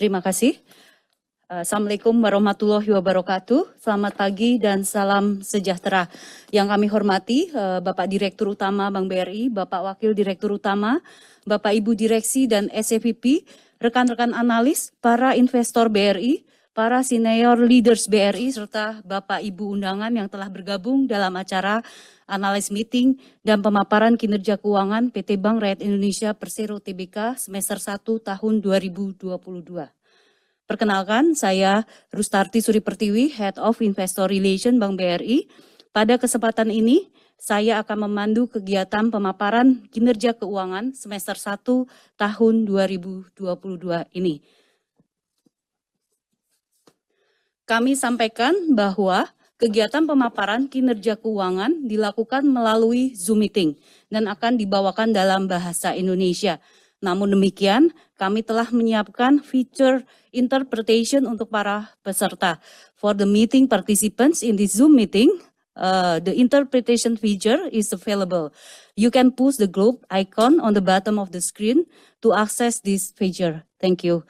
Terima kasih. Assalamualaikum warahmatullahi wabarakatuh. Selamat pagi dan salam sejahtera. Yang kami hormati, Bapak Direktur Utama Bank BRI, Bapak Wakil Direktur Utama, Bapak Ibu Direksi dan SEVP, rekan-rekan analis, para investor BRI, para senior leaders BRI serta Bapak Ibu undangan yang telah bergabung dalam acara analyst meeting dan pemaparan kinerja keuangan PT Bank Rakyat Indonesia (Persero) Tbk semester satu tahun 2022. Perkenalkan saya Rustarti Suri Pertiwi, Head of Investor Relations Bank BRI. Pada kesempatan ini, saya akan memandu kegiatan pemaparan kinerja keuangan semester satu tahun 2022 ini. Kami sampaikan bahwa kegiatan pemaparan kinerja keuangan dilakukan melalui Zoom Meeting dan akan dibawakan dalam bahasa Indonesia. Namun demikian, kami telah menyiapkan interpretation feature untuk para peserta. For the meeting participants in this Zoom Meeting, the interpretation feature is available. You can push the globe icon on the bottom of the screen to access this feature. Thank you.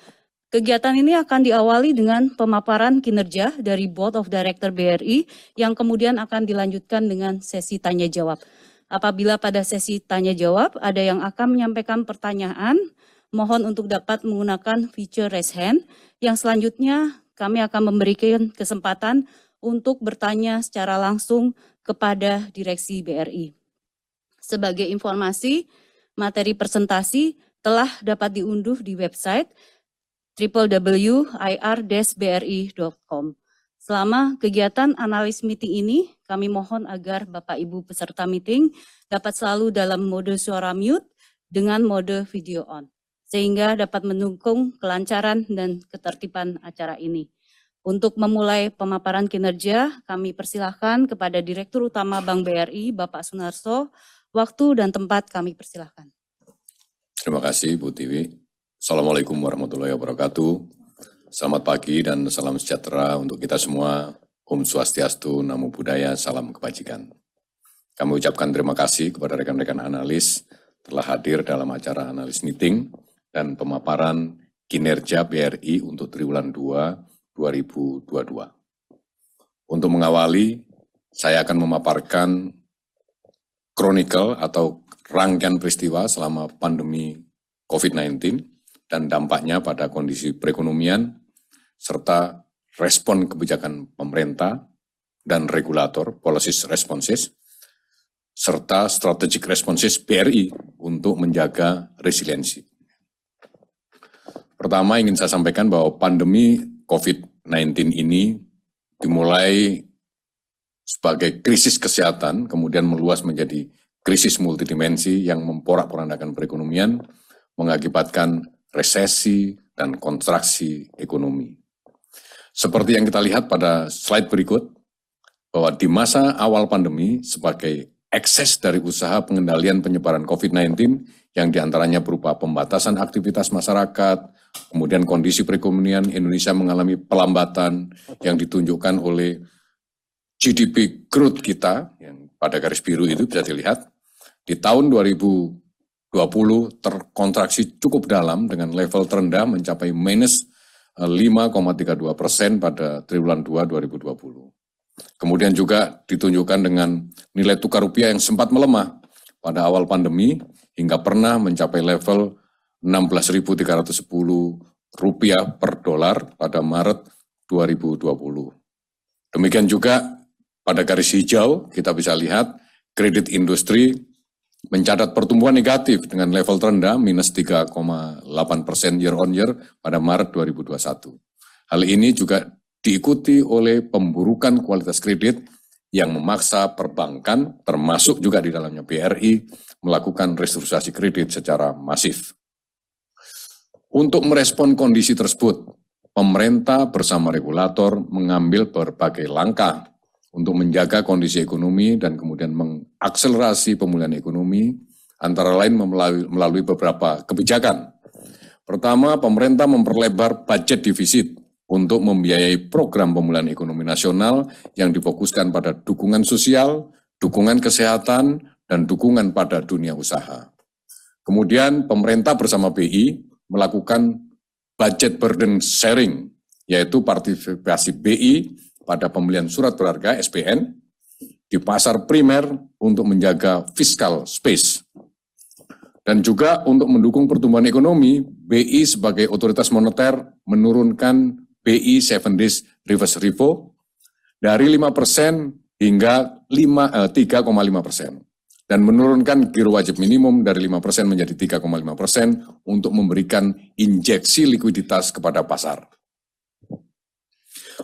Kegiatan ini akan diawali dengan pemaparan kinerja dari Board of Directors BRI yang kemudian akan dilanjutkan dengan sesi tanya jawab. Apabila pada sesi tanya jawab ada yang akan menyampaikan pertanyaan, mohon untuk dapat menggunakan feature raise hand, yang selanjutnya kami akan memberikan kesempatan untuk bertanya secara langsung kepada Direksi BRI. Sebagai informasi, materi presentasi telah dapat diunduh di website www.ir.bri.co.id. Selama kegiatan analyst meeting ini, kami mohon agar Bapak Ibu peserta meeting dapat selalu dalam mode suara mute dengan mode video on sehingga dapat mendukung kelancaran dan ketertiban acara ini. Untuk memulai pemaparan kinerja, kami persilakan kepada Direktur Utama Bank BRI, Bapak Sunarso. Waktu dan tempat kami persilakan. Terima kasih Bu Twi. Assalamualaikum warahmatullahi wabarakatuh. Selamat pagi dan salam sejahtera untuk kita semua. Om Swastiastu, Namo Buddhaya, salam kebajikan. Kami ucapkan terima kasih kepada rekan-rekan analis telah hadir dalam acara analyst meeting dan pemaparan kinerja BRI untuk triwulan dua 2022. Untuk mengawali, saya akan memaparkan chronicle atau rangkaian peristiwa selama pandemi COVID-19 dan dampaknya pada kondisi perekonomian serta respon kebijakan pemerintah dan regulator policy responses serta strategic responses BRI untuk menjaga resiliensi. Pertama, ingin saya sampaikan bahwa pandemi COVID-19 ini dimulai sebagai krisis kesehatan, kemudian meluas menjadi krisis multidimensi yang memporak-porandakan perekonomian, mengakibatkan resesi dan kontraksi ekonomi. Seperti yang kita lihat pada slide berikut, bahwa di masa awal pandemi sebagai akibat dari usaha pengendalian penyebaran COVID-19 yang di antaranya berupa pembatasan aktivitas masyarakat, kemudian kondisi perekonomian Indonesia mengalami pelambatan yang ditunjukkan oleh GDP growth kita yang pada garis biru itu bisa dilihat. Di tahun 2020 terkontraksi cukup dalam dengan level terendah mencapai minus 5.32% pada triwulan dua 2020. Kemudian juga ditunjukkan dengan nilai tukar rupiah yang sempat melemah pada awal pandemi hingga pernah mencapai level 16,310 rupiah per USD pada Maret 2020. Demikian juga pada garis hijau kita bisa lihat kredit industri mencatat pertumbuhan negatif dengan level terendah -3.8% year-over-year pada Maret 2021. Hal ini juga diikuti oleh pemburukan kualitas kredit yang memaksa perbankan termasuk juga di dalamnya BRI melakukan restrukturisasi kredit secara masif. Untuk merespon kondisi tersebut, pemerintah bersama regulator mengambil berbagai langkah untuk menjaga kondisi ekonomi dan kemudian mengakselerasi pemulihan ekonomi antara lain melalui beberapa kebijakan. Pertama, pemerintah memperlebar budget deficit untuk membiayai program pemulihan ekonomi nasional yang difokuskan pada dukungan sosial, dukungan kesehatan, dan dukungan pada dunia usaha. Kemudian pemerintah bersama BI melakukan budget burden sharing, yaitu partisipasi BI pada pembelian surat berharga SBN di pasar primer untuk menjaga fiscal space. Untuk mendukung pertumbuhan ekonomi, BI sebagai Otoritas Moneter menurunkan BI 7-Day Reverse Repo dari 5% hingga 3.5% dan menurunkan giro wajib minimum dari 5% menjadi 3.5% untuk memberikan injeksi likuiditas kepada pasar.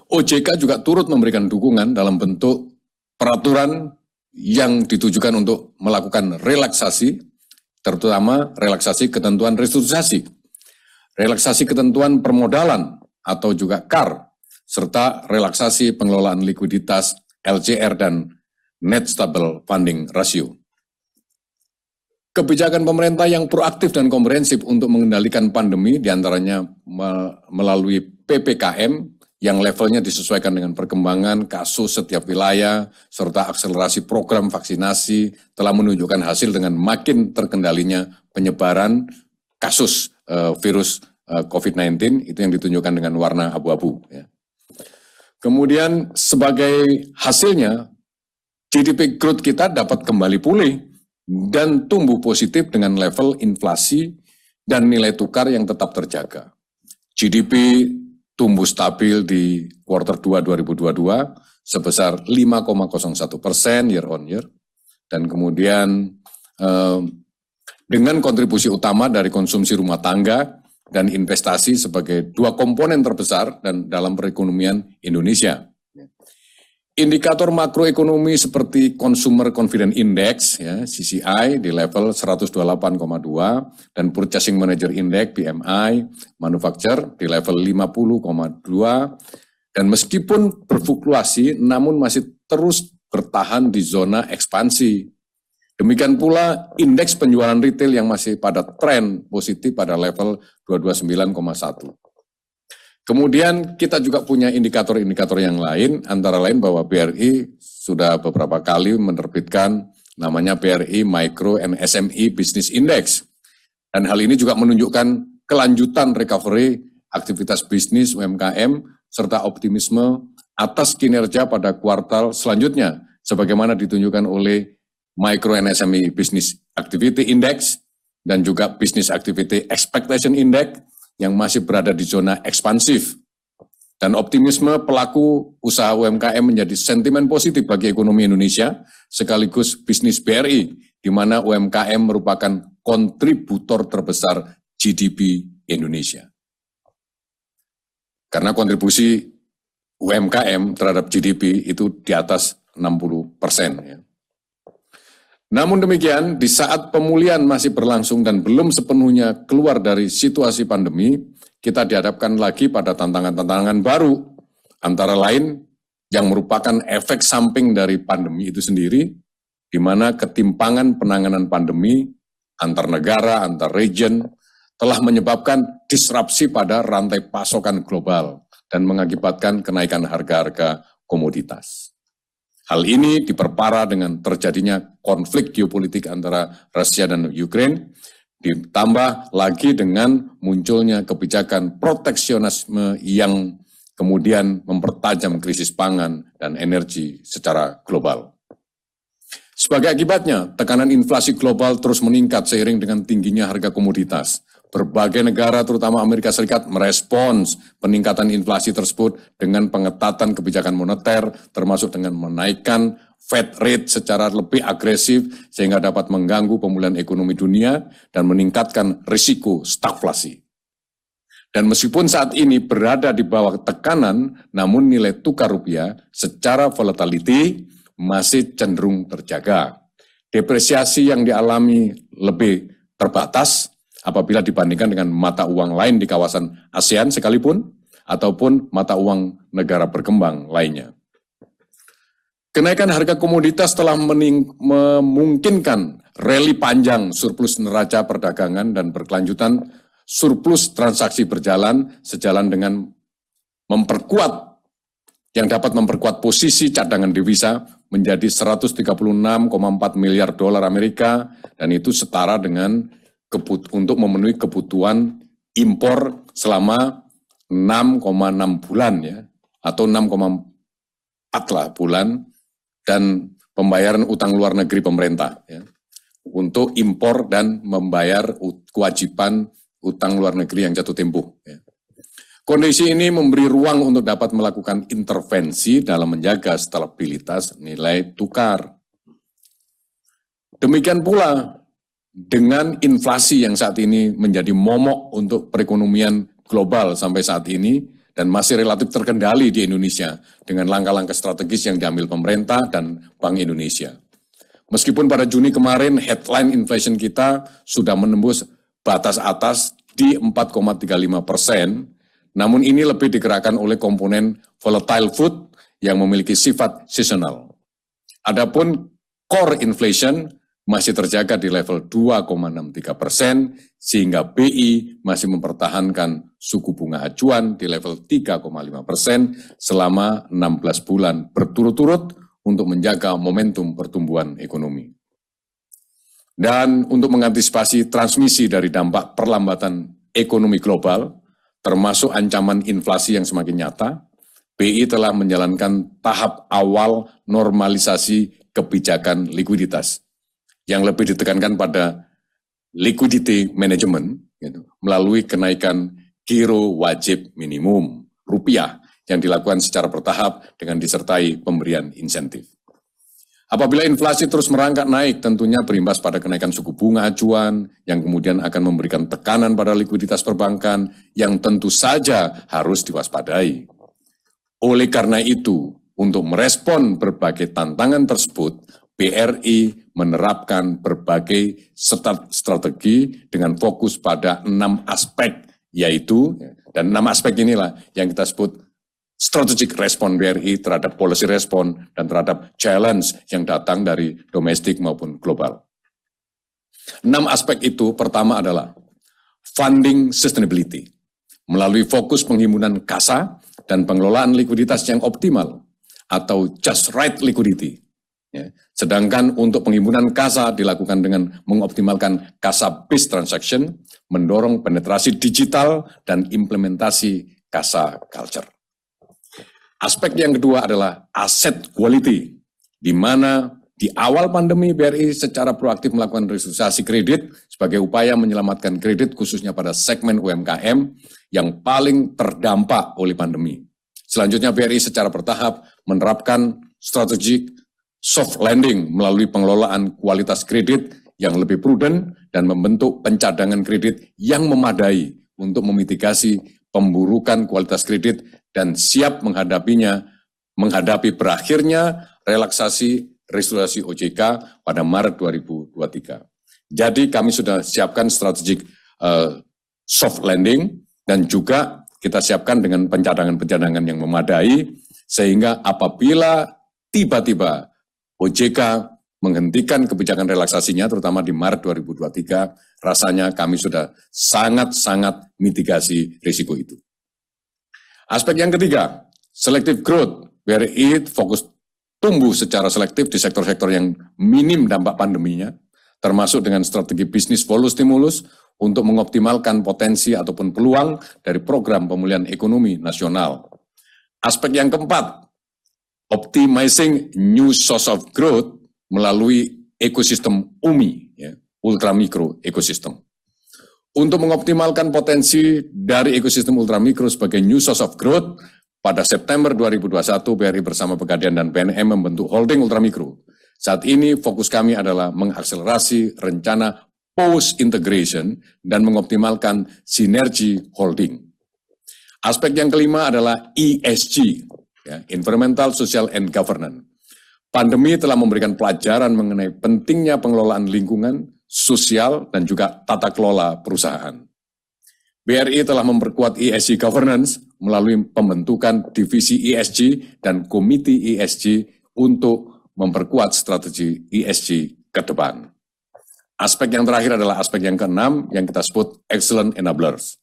OJK juga turut memberikan dukungan dalam bentuk peraturan yang ditujukan untuk melakukan relaksasi, terutama relaksasi ketentuan restrukturisasi, relaksasi ketentuan permodalan atau juga CAR, serta relaksasi pengelolaan likuiditas LCR dan Net Stable Funding Ratio. Kebijakan pemerintah yang proaktif dan komprehensif untuk mengendalikan pandemi di antaranya melalui PPKM yang levelnya disesuaikan dengan perkembangan kasus setiap wilayah serta akselerasi program vaksinasi telah menunjukkan hasil dengan makin terkendalinya penyebaran kasus COVID-19 itu yang ditunjukkan dengan warna abu-abu. Sebagai hasilnya GDP growth kita dapat kembali pulih dan tumbuh positif dengan level inflasi dan nilai tukar yang tetap terjaga. GDP tumbuh stabil di quarter 2 2022 sebesar 5.01% year-on-year dengan kontribusi utama dari konsumsi rumah tangga dan investasi sebagai dua komponen terbesar dalam perekonomian Indonesia. Indikator makroekonomi seperti Consumer Confidence Index, CCI di level 128.2 dan Purchasing Manager Index PMI manufacture di level 50.2 dan meskipun berfluktuasi namun masih terus bertahan di zona ekspansi. Demikian pula indeks penjualan ritel yang masih pada tren positif pada level 2.291. Kita juga punya indikator-indikator yang lain antara lain bahwa BRI sudah beberapa kali menerbitkan namanya BRI Micro and SME Business Index dan hal ini juga menunjukkan kelanjutan recovery aktivitas bisnis UMKM serta optimisme atas kinerja pada kuartal selanjutnya sebagaimana ditunjukkan oleh Micro and SME Business Activity Index dan juga Business Activity Expectation Index yang masih berada di zona ekspansif dan optimisme pelaku usaha UMKM menjadi sentimen positif bagi ekonomi Indonesia sekaligus bisnis BRI dimana UMKM merupakan kontributor terbesar GDP Indonesia. Karena kontribusi UMKM terhadap GDP itu di atas 60%, ya. Namun demikian di saat pemulihan masih berlangsung dan belum sepenuhnya keluar dari situasi pandemi kita dihadapkan lagi pada tantangan-tantangan baru antara lain yang merupakan efek samping dari pandemi itu sendiri dimana ketimpangan penanganan pandemi antar negara, antar region telah menyebabkan disrupsi pada rantai pasokan global dan mengakibatkan kenaikan harga-harga komoditas. Hal ini diperparah dengan terjadinya konflik geopolitik antara Rusia dan Ukraina ditambah lagi dengan munculnya kebijakan proteksionisme yang kemudian mempertajam krisis pangan dan energi secara global. Sebagai akibatnya tekanan inflasi global terus meningkat seiring dengan tingginya harga komoditas. Berbagai negara terutama Amerika Serikat merespons peningkatan inflasi tersebut dengan pengetatan kebijakan moneter termasuk dengan menaikkan Fed rate secara lebih agresif sehingga dapat mengganggu pemulihan ekonomi dunia dan meningkatkan risiko stagflasi. Meskipun saat ini berada di bawah tekanan namun nilai tukar Rupiah secara volatility masih cenderung terjaga. Depresiasi yang dialami lebih terbatas apabila dibandingkan dengan mata uang lain di kawasan ASEAN sekalipun ataupun mata uang negara berkembang lainnya. Kenaikan harga komoditas telah memungkinkan realisasi panjang surplus neraca perdagangan dan berkelanjutan surplus transaksi berjalan sejalan dengan memperkuat posisi cadangan devisa menjadi $136.4 billion dan itu setara dengan untuk memenuhi kebutuhan impor selama 6.6 bulan ya atau 6.4 lah bulan dan pembayaran utang luar negeri pemerintah ya untuk impor dan membayar kewajiban utang luar negeri yang jatuh tempo. Kondisi ini memberi ruang untuk dapat melakukan intervensi dalam menjaga stabilitas nilai tukar. Demikian pula dengan inflasi yang saat ini menjadi momok untuk perekonomian global sampai saat ini dan masih relatif terkendali di Indonesia dengan langkah-langkah strategis yang diambil pemerintah dan Bank Indonesia. Meskipun pada Juni kemarin headline inflation kita sudah menembus batas atas di 4.35% namun ini lebih digerakkan oleh komponen volatile food yang memiliki sifat seasonal. Core inflation masih terjaga di level 2.63% sehingga BI masih mempertahankan suku bunga acuan di level 3.5% selama 16 bulan berturut-turut untuk menjaga momentum pertumbuhan ekonomi. Dan untuk mengantisipasi transmisi dari dampak perlambatan ekonomi global termasuk ancaman inflasi yang semakin nyata, BI telah menjalankan tahap awal normalisasi kebijakan likuiditas yang lebih ditekankan pada liquidity management melalui kenaikan giro wajib minimum rupiah yang dilakukan secara bertahap dengan disertai pemberian insentif. Apabila inflasi terus merangkak naik tentunya berimbas pada kenaikan suku bunga acuan yang kemudian akan memberikan tekanan pada likuiditas perbankan yang tentu saja harus diwaspadai. Oleh karena itu, untuk merespon berbagai tantangan tersebut, BRI menerapkan berbagai strategi dengan fokus pada enam aspek, yaitu enam aspek inilah yang kita sebut strategic response BRI terhadap policy response dan terhadap challenge yang datang dari domestik maupun global. Enam aspek itu pertama adalah funding sustainability melalui fokus penghimpunan CASA dan pengelolaan likuiditas yang optimal atau just right liquidity, ya. Sedangkan untuk penghimpunan CASA dilakukan dengan mengoptimalkan cash based transaction, mendorong penetrasi digital dan implementasi cash culture. Aspek yang kedua adalah asset quality, di mana di awal pandemi BRI secara proaktif melakukan restrukturisasi kredit sebagai upaya menyelamatkan kredit khususnya pada segmen UMKM yang paling terdampak oleh pandemi. Selanjutnya BRI secara bertahap menerapkan strategi soft landing melalui pengelolaan kualitas kredit yang lebih prudent dan membentuk pencadangan kredit yang memadai untuk memitigasi pemburukan kualitas kredit dan siap menghadapinya, menghadapi berakhirnya relaksasi restrukturisasi OJK pada Maret 2023. Kami sudah siapkan strategi soft landing dan juga kita siapkan dengan pencadangan-pencadangan yang memadai sehingga apabila tiba-tiba OJK menghentikan kebijakan relaksasinya terutama di Maret 2023 rasanya kami sudah sangat-sangat mitigasi risiko itu. Aspek yang ketiga selective growth. BRI fokus tumbuh secara selektif di sektor-sektor yang minim dampak pandeminya termasuk dengan strategi business stimulus untuk mengoptimalkan potensi ataupun peluang dari program pemulihan ekonomi nasional. Aspek yang keempat optimizing new source of growth melalui ekosistem UMI, ya, Ultra Micro Ecosystem. Untuk mengoptimalkan potensi dari ekosistem Ultra Micro sebagai new source of growth pada September 2021 BRI bersama Pegadaian dan PNM membentuk holding Ultra Micro. Saat ini fokus kami adalah mengakselerasi rencana post integration dan mengoptimalkan sinergi holding. Aspek yang kelima adalah ESG, ya, Environmental, Social, and Governance. Pandemi telah memberikan pelajaran mengenai pentingnya pengelolaan lingkungan sosial dan juga tata kelola perusahaan. BRI telah memperkuat ESG governance melalui pembentukan divisi ESG dan komite ESG untuk memperkuat strategi ESG ke depan. Aspek yang terakhir adalah aspek yang keenam yang kita sebut excellent enablers.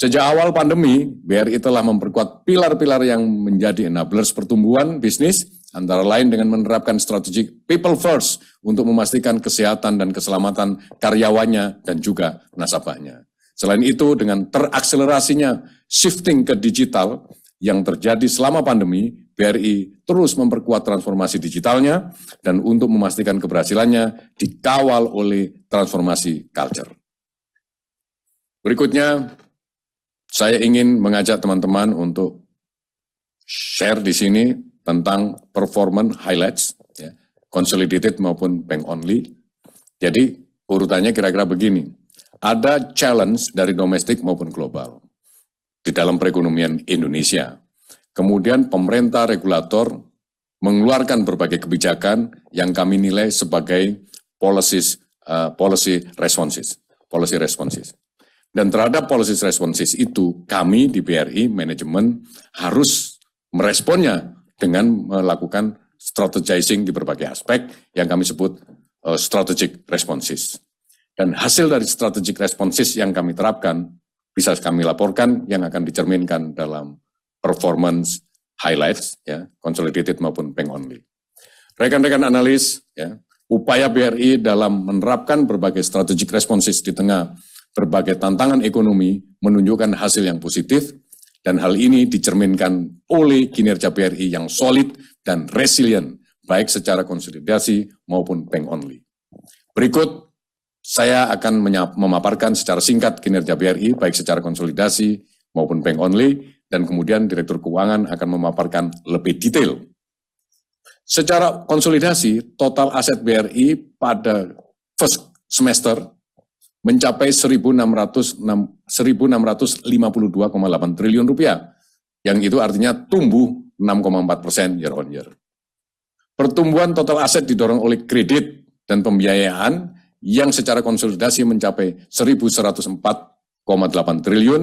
Sejak awal pandemi, BRI telah memperkuat pilar-pilar yang menjadi enablers pertumbuhan bisnis antara lain dengan menerapkan strategi people first untuk memastikan kesehatan dan keselamatan karyawannya dan juga nasabahnya. Selain itu dengan terakselerasinya shifting ke digital yang terjadi selama pandemi, BRI terus memperkuat transformasi digitalnya dan untuk memastikan keberhasilannya dikawal oleh transformasi culture. Berikutnya, saya ingin mengajak teman-teman untuk share di sini tentang performance highlights, ya, consolidated maupun bank only. Jadi urutannya kira-kira begini, ada challenge dari domestik maupun global di dalam perekonomian Indonesia. Kemudian pemerintah regulator mengeluarkan berbagai kebijakan yang kami nilai sebagai policies, policy responses. Terhadap policy responses itu kami di BRI manajemen harus meresponnya dengan melakukan strategizing di berbagai aspek yang kami sebut strategic responses. Hasil dari strategic responses yang kami terapkan bisa kami laporkan yang akan dicerminkan dalam performance highlights, ya, consolidated maupun bank only. Rekan-rekan analis, ya, upaya BRI dalam menerapkan berbagai strategic responses di tengah berbagai tantangan ekonomi menunjukkan hasil yang positif dan hal ini dicerminkan oleh kinerja BRI yang solid dan resilient baik secara konsolidasi maupun bank only. Berikut saya akan memaparkan secara singkat kinerja BRI baik secara konsolidasi maupun bank only dan kemudian direktur keuangan akan memaparkan lebih detail. Secara konsolidasi total aset BRI pada first semester mencapai 1,652.8 triliun rupiah yang itu artinya tumbuh 6.4% year-on-year. Pertumbuhan total aset didorong oleh kredit dan pembiayaan yang secara konsolidasi mencapai 1,104.8 triliun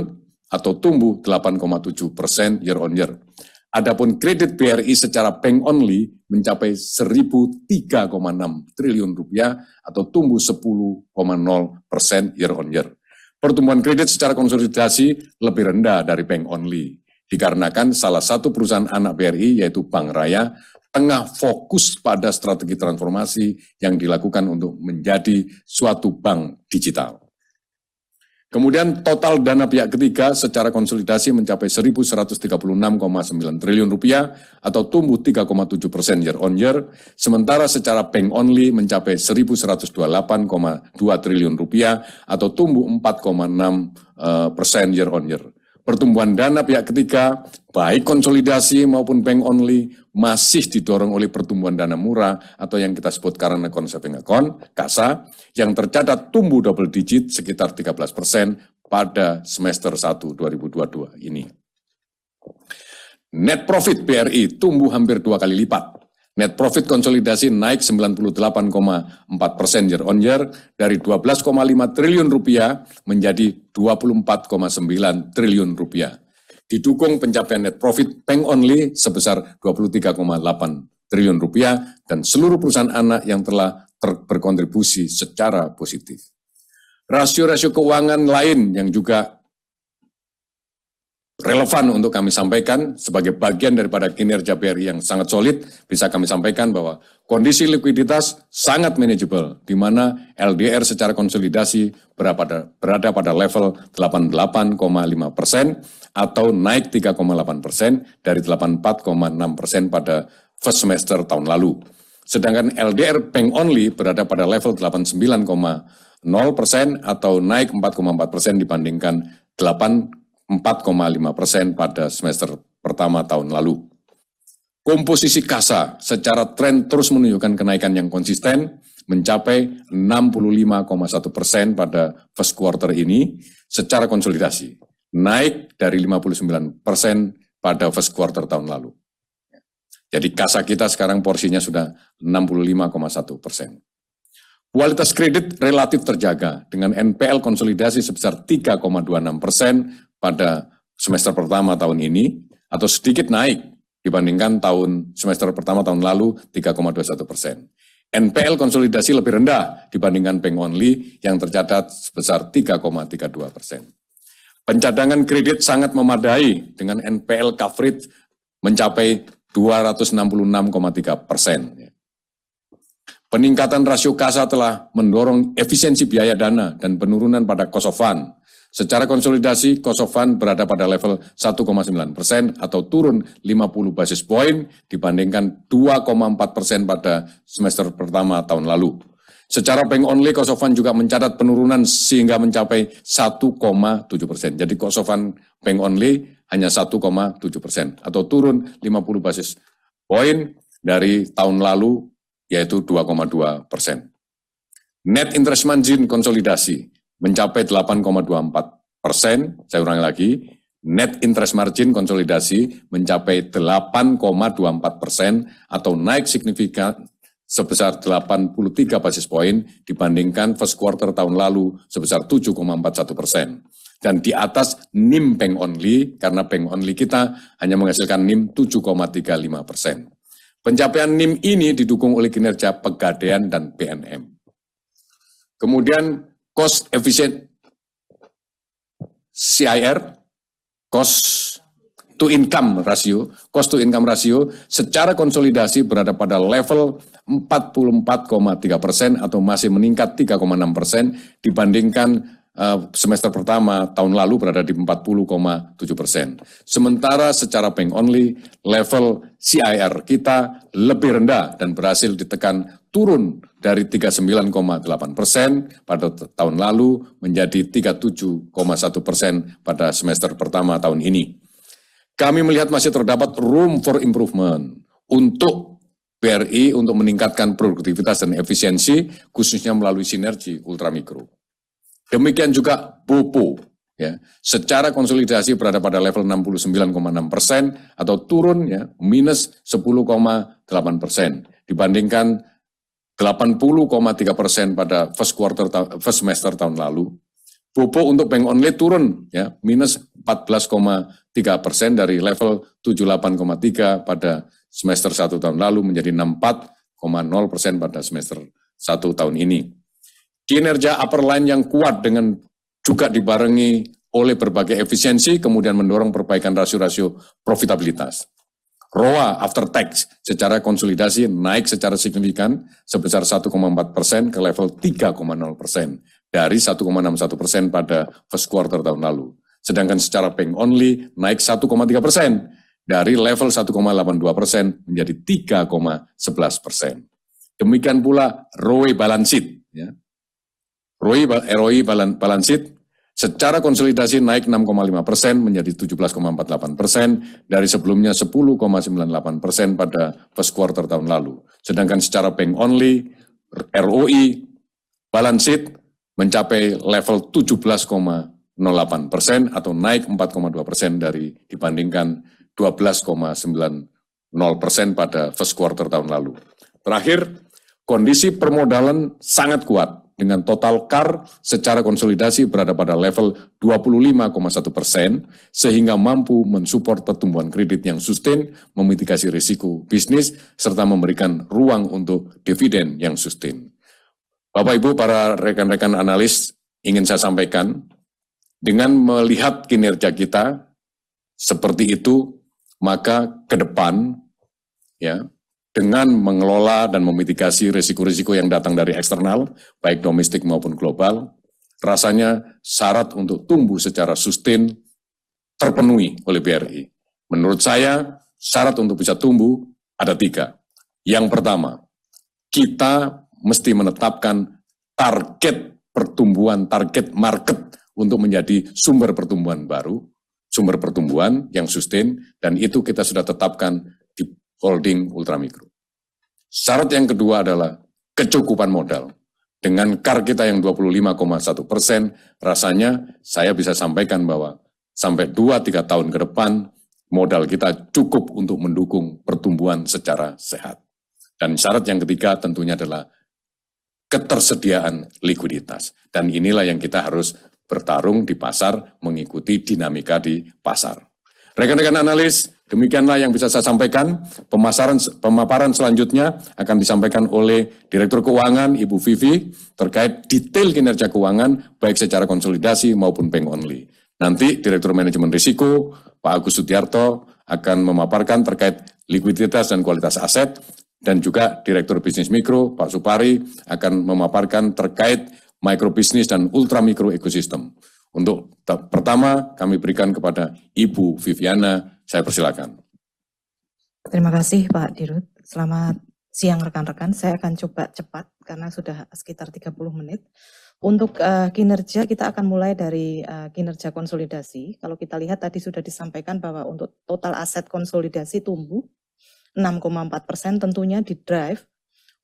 atau tumbuh 8.7% year-on-year. Adapun kredit BRI secara bank only mencapai 1,003.6 rupiah triliun atau tumbuh 10.0% year-on-year. Pertumbuhan kredit secara konsolidasi lebih rendah dari bank only dikarenakan salah satu perusahaan anak BRI yaitu Bank Raya tengah fokus pada strategi transformasi yang dilakukan untuk menjadi suatu bank digital. Kemudian total dana pihak ketiga secara konsolidasi mencapai 1,136.9 rupiah triliun atau tumbuh 3.7% year-on-year. Sementara secara bank only mencapai 1,128.2 rupiah triliun atau tumbuh 4.6% year-on-year. Pertumbuhan dana pihak ketiga baik konsolidasi maupun bank only masih didorong oleh pertumbuhan dana murah atau yang kita sebut current and saving account, CASA, yang tercatat tumbuh double-digit sekitar 13% pada semester 1 2022 ini. Net profit BRI tumbuh hampir dua kali lipat. Net profit konsolidasi naik 98.4% year-on-year dari 12.5 rupiah triliun menjadi 24.9 rupiah triliun. Didukung pencapaian net profit bank only sebesar 23.8 rupiah triliun dan seluruh perusahaan anak yang telah berkontribusi secara positif. Rasio-rasio keuangan lain yang juga relevan untuk kami sampaikan sebagai bagian daripada kinerja BRI yang sangat solid, bisa kami sampaikan bahwa kondisi likuiditas sangat manageable, di mana LDR secara konsolidasi berada pada level 88.5% atau naik 3.8% dari 84.6% pada first semester tahun lalu. Sedangkan LDR bank only berada pada level 89.0% atau naik 4.4% dibandingkan 84.5% pada semester pertama tahun lalu. Komposisi CASA secara tren terus menunjukkan kenaikan yang konsisten mencapai 65.1% pada first quarter ini secara konsolidasi, naik dari 59% pada first quarter tahun lalu. Jadi CASA kita sekarang porsinya sudah 65.1%. Kualitas kredit relatif terjaga dengan NPL konsolidasi sebesar 3.26% pada semester pertama tahun ini atau sedikit naik dibandingkan semester pertama tahun lalu 3.21%. NPL konsolidasi lebih rendah dibandingkan bank only yang tercatat sebesar 3.32%. Pencadangan kredit sangat memadai dengan NPL coverage mencapai 266.3%. Peningkatan rasio kas telah mendorong efisiensi biaya dana dan penurunan pada cost of fund. Secara konsolidasi, cost of fund berada pada level 1.9% atau turun 50 basis poin dibandingkan 2.4% pada semester pertama tahun lalu. Secara bank only, cost of fund juga mencatat penurunan sehingga mencapai 1.7%. Cost of fund bank only hanya 1.7% atau turun 50 basis poin dari tahun lalu, yaitu 2.2%. Net interest margin konsolidasi mencapai 8.24%. Saya ulangi lagi, net interest margin konsolidasi mencapai 8.24% atau naik signifikan sebesar 83 basis poin dibandingkan first quarter tahun lalu sebesar 7.41% dan di atas NIM bank only karena bank only kita hanya menghasilkan NIM 7.35%. Pencapaian NIM ini didukung oleh kinerja Pegadaian dan PNM. Kemudian cost efficient CIR, cost to income ratio, cost to income ratio secara konsolidasi berada pada level 44.3% atau masih meningkat 3.6% dibandingkan semester pertama tahun lalu berada di 40.7%. Sementara secara bank only, level CIR kita lebih rendah dan berhasil ditekan turun dari 39.8% pada tahun lalu menjadi 37.1% pada semester pertama tahun ini. Kami melihat masih terdapat room for improvement untuk BRI untuk meningkatkan produktivitas dan efisiensi, khususnya melalui sinergi Ultra Micro. Demikian juga PPOP, secara konsolidasi berada pada level 69.6% atau turun, minus 10.8% dibandingkan 80.3% pada first semester tahun lalu. PPOP untuk bank only turun, minus 14.3% dari level 78.3 pada semester satu tahun lalu menjadi 64.0% pada semester satu tahun ini. Kinerja top line yang kuat dengan juga dibarengi oleh berbagai efisiensi kemudian mendorong perbaikan rasio-rasio profitabilitas. ROA after tax secara konsolidasi naik secara signifikan sebesar 1.4% ke level 3.0% dari 1.61% pada first semester tahun lalu. Sedangkan secara bank only naik 1.3% dari level 1.82% menjadi 3.11%. Demikian pula ROE balance sheet. ROE balance sheet secara konsolidasi naik 6.5% menjadi 17.48% dari sebelumnya 10.98% pada first quarter tahun lalu. Sedangkan secara bank only, ROE balance sheet mencapai level 17.08% atau naik 4.2% dibandingkan 12.90% pada first quarter tahun lalu. Terakhir, kondisi permodalan sangat kuat dengan total CAR secara konsolidasi berada pada level 25.1%, sehingga mampu mensupport pertumbuhan kredit yang sustain, memitigasi risiko bisnis, serta memberikan ruang untuk dividen yang sustain. Bapak, Ibu, para rekan-rekan analis, ingin saya sampaikan dengan melihat kinerja kita seperti itu, maka ke depan, ya, dengan mengelola dan memitigasi risiko-risiko yang datang dari eksternal, baik domestik maupun global, rasanya syarat untuk tumbuh secara sustain terpenuhi oleh BRI. Menurut saya, syarat untuk bisa tumbuh ada tiga. Yang pertama, kita mesti menetapkan target pertumbuhan, target market untuk menjadi sumber pertumbuhan baru, sumber pertumbuhan yang sustain, dan itu kita sudah tetapkan di holding Ultra Mikro. Syarat yang kedua adalah kecukupan modal. Dengan CAR kita yang 25.1%, rasanya saya bisa sampaikan bahwa sampai 2-3 tahun ke depan, modal kita cukup untuk mendukung pertumbuhan secara sehat. Syarat yang ketiga tentunya adalah ketersediaan likuiditas. Inilah yang kita harus bertarung di pasar mengikuti dinamika di pasar. Rekan-rekan analis, demikianlah yang bisa saya sampaikan. Pemaparan selanjutnya akan disampaikan oleh Direktur Keuangan, Ibu Vivi, terkait detail kinerja keuangan baik secara konsolidasi maupun bank only. Nanti Direktur Manajemen Risiko, Pak Agus Sudiarto, akan memaparkan terkait likuiditas dan kualitas aset, dan juga Direktur Bisnis Mikro, Pak Supari, akan memaparkan terkait mikro bisnis dan ultra mikro ekosistem. Untuk pertama kami berikan kepada Ibu Viviana, saya persilakan. Terima kasih, Pak Dirut. Selamat siang rekan-rekan, saya akan coba cepat karena sudah sekitar 30 menit. Untuk kinerja kita akan mulai dari kinerja konsolidasi. Kalau kita lihat tadi sudah disampaikan bahwa untuk total aset konsolidasi tumbuh 6.4% tentunya di-drive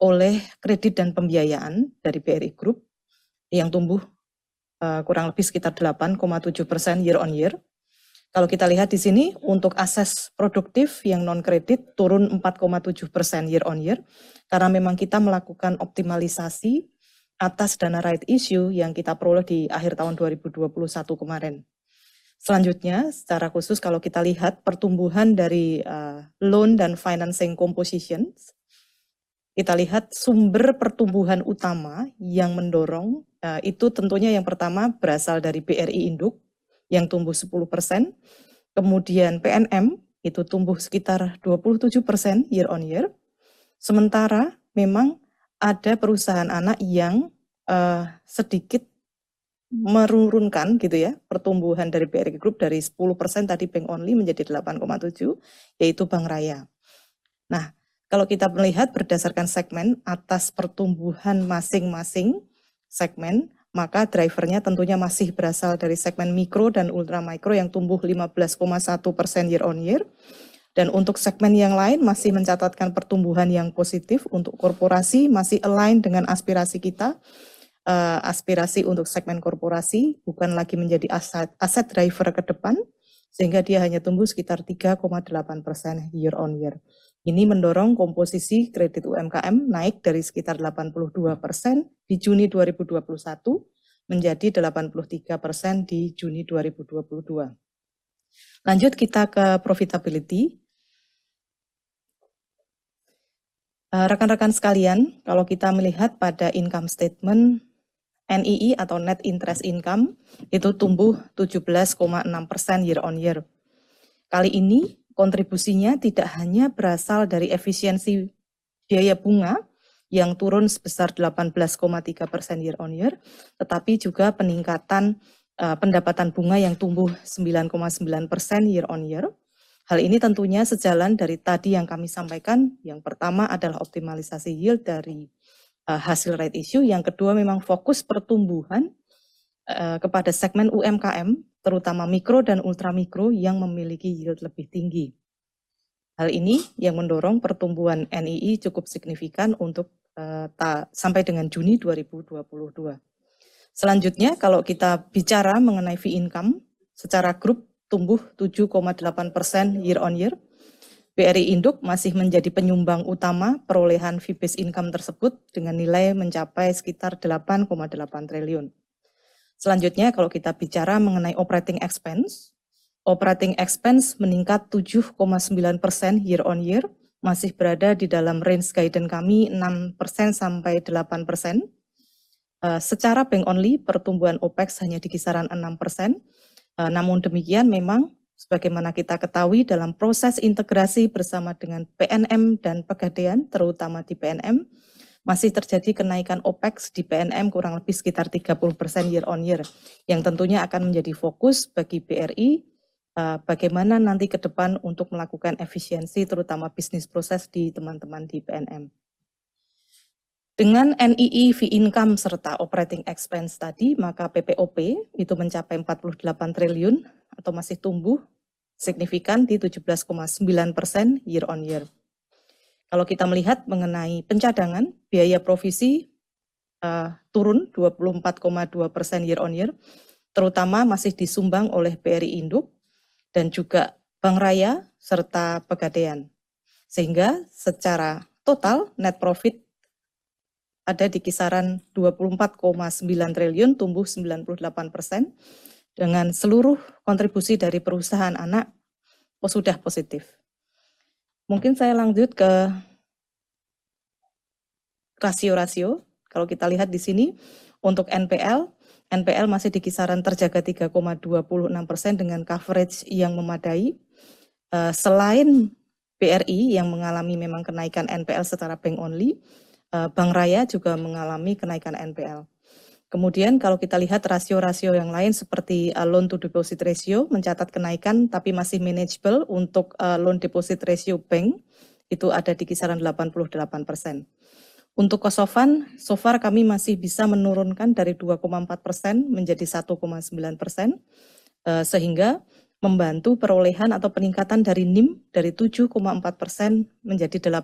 oleh kredit dan pembiayaan dari BRI Group yang tumbuh kurang lebih sekitar 8.7% year-on-year. Kalau kita lihat di sini untuk aset produktif yang non kredit turun 4.7% year-on-year karena memang kita melakukan optimalisasi atas dana rights issue yang kita peroleh di akhir tahun 2021 kemarin. Selanjutnya, secara khusus kalau kita lihat pertumbuhan dari loan dan financing composition, kita lihat sumber pertumbuhan utama yang mendorong itu tentunya yang pertama berasal dari BRI induk yang tumbuh 10%, kemudian PNM itu tumbuh sekitar 27% year-on-year. Sementara memang ada perusahaan anak yang sedikit menurunkan gitu ya pertumbuhan dari BRI Group dari 10% tadi bank only menjadi 8.7, yaitu Bank Raya. Nah, kalau kita melihat berdasarkan segmen atas pertumbuhan masing-masing segmen, maka drivernya tentunya masih berasal dari segmen mikro dan ultra mikro yang tumbuh 15.1% year-on-year. Untuk segmen yang lain masih mencatatkan pertumbuhan yang positif untuk korporasi masih align dengan aspirasi kita. Aspirasi untuk segmen korporasi bukan lagi menjadi aset driver ke depan, sehingga dia hanya tumbuh sekitar 3.8% year-on-year. Ini mendorong komposisi kredit UMKM naik dari sekitar 82% di Juni 2021 menjadi 83% di Juni 2022. Lanjut kita ke profitability. Rekan-rekan sekalian, kalau kita melihat pada income statement NII atau Net Interest Income itu tumbuh 17.6% year-on-year. Kali ini kontribusinya tidak hanya berasal dari efisiensi biaya bunga yang turun sebesar 18.3% year-on-year, tetapi juga peningkatan pendapatan bunga yang tumbuh 9.9% year-on-year. Hal ini tentunya sejalan dari tadi yang kami sampaikan. Yang pertama adalah optimalisasi yield dari hasil right issue. Yang kedua memang fokus pertumbuhan kepada segmen UMKM, terutama mikro dan ultra mikro yang memiliki yield lebih tinggi. Hal ini yang mendorong pertumbuhan NII cukup signifikan untuk sampai dengan Juni 2022. Selanjutnya, kalau kita bicara mengenai fee income, secara grup tumbuh 7.8% year-on-year. BRI induk masih menjadi penyumbang utama perolehan fee based income tersebut dengan nilai mencapai sekitar 8.8 trillion. Selanjutnya, kalau kita bicara mengenai operating expense. Operating expense meningkat 7.9% year-over-year masih berada di dalam range guidance kami 6%-8%. Secara bank only pertumbuhan Opex hanya di kisaran 6%. Namun demikian memang sebagaimana kita ketahui dalam proses integrasi bersama dengan PNM dan Pegadaian, terutama di PNM, masih terjadi kenaikan Opex di PNM kurang lebih sekitar 30% year-over-year, yang tentunya akan menjadi fokus bagi BRI, bagaimana nanti ke depan untuk melakukan efisiensi terutama bisnis proses di teman-teman di PNM. Dengan NII fee income serta operating expense tadi, maka PPOP itu mencapai 48 trillion atau masih tumbuh signifikan di 17.9% year-over-year. Kalau kita melihat mengenai pencadangan, biaya provisi, turun 24.2% year-on-year, terutama masih disumbang oleh BRI induk dan juga Bank Raya serta Pegadaian. Secara total net profit ada di kisaran 24.9 trillion tumbuh 98% dengan seluruh kontribusi dari perusahaan anak sudah positif. Mungkin saya lanjut ke rasio-rasio. Kalau kita lihat di sini untuk NPL masih di kisaran terjaga 3.26% dengan coverage yang memadai. Selain BRI yang mengalami memang kenaikan NPL secara bank-only, Bank Raya juga mengalami kenaikan NPL. Kemudian kalau kita lihat rasio-rasio yang lain seperti, loan-to-deposit ratio mencatat kenaikan tapi masih manageable untuk, loan-to-deposit ratio bank itu ada di kisaran 88%. Untuk cost of fund, so far kami masih bisa menurunkan dari 2.4% menjadi 1.9%, sehingga membantu perolehan atau peningkatan dari NIM dari 7.4% menjadi 8.24%.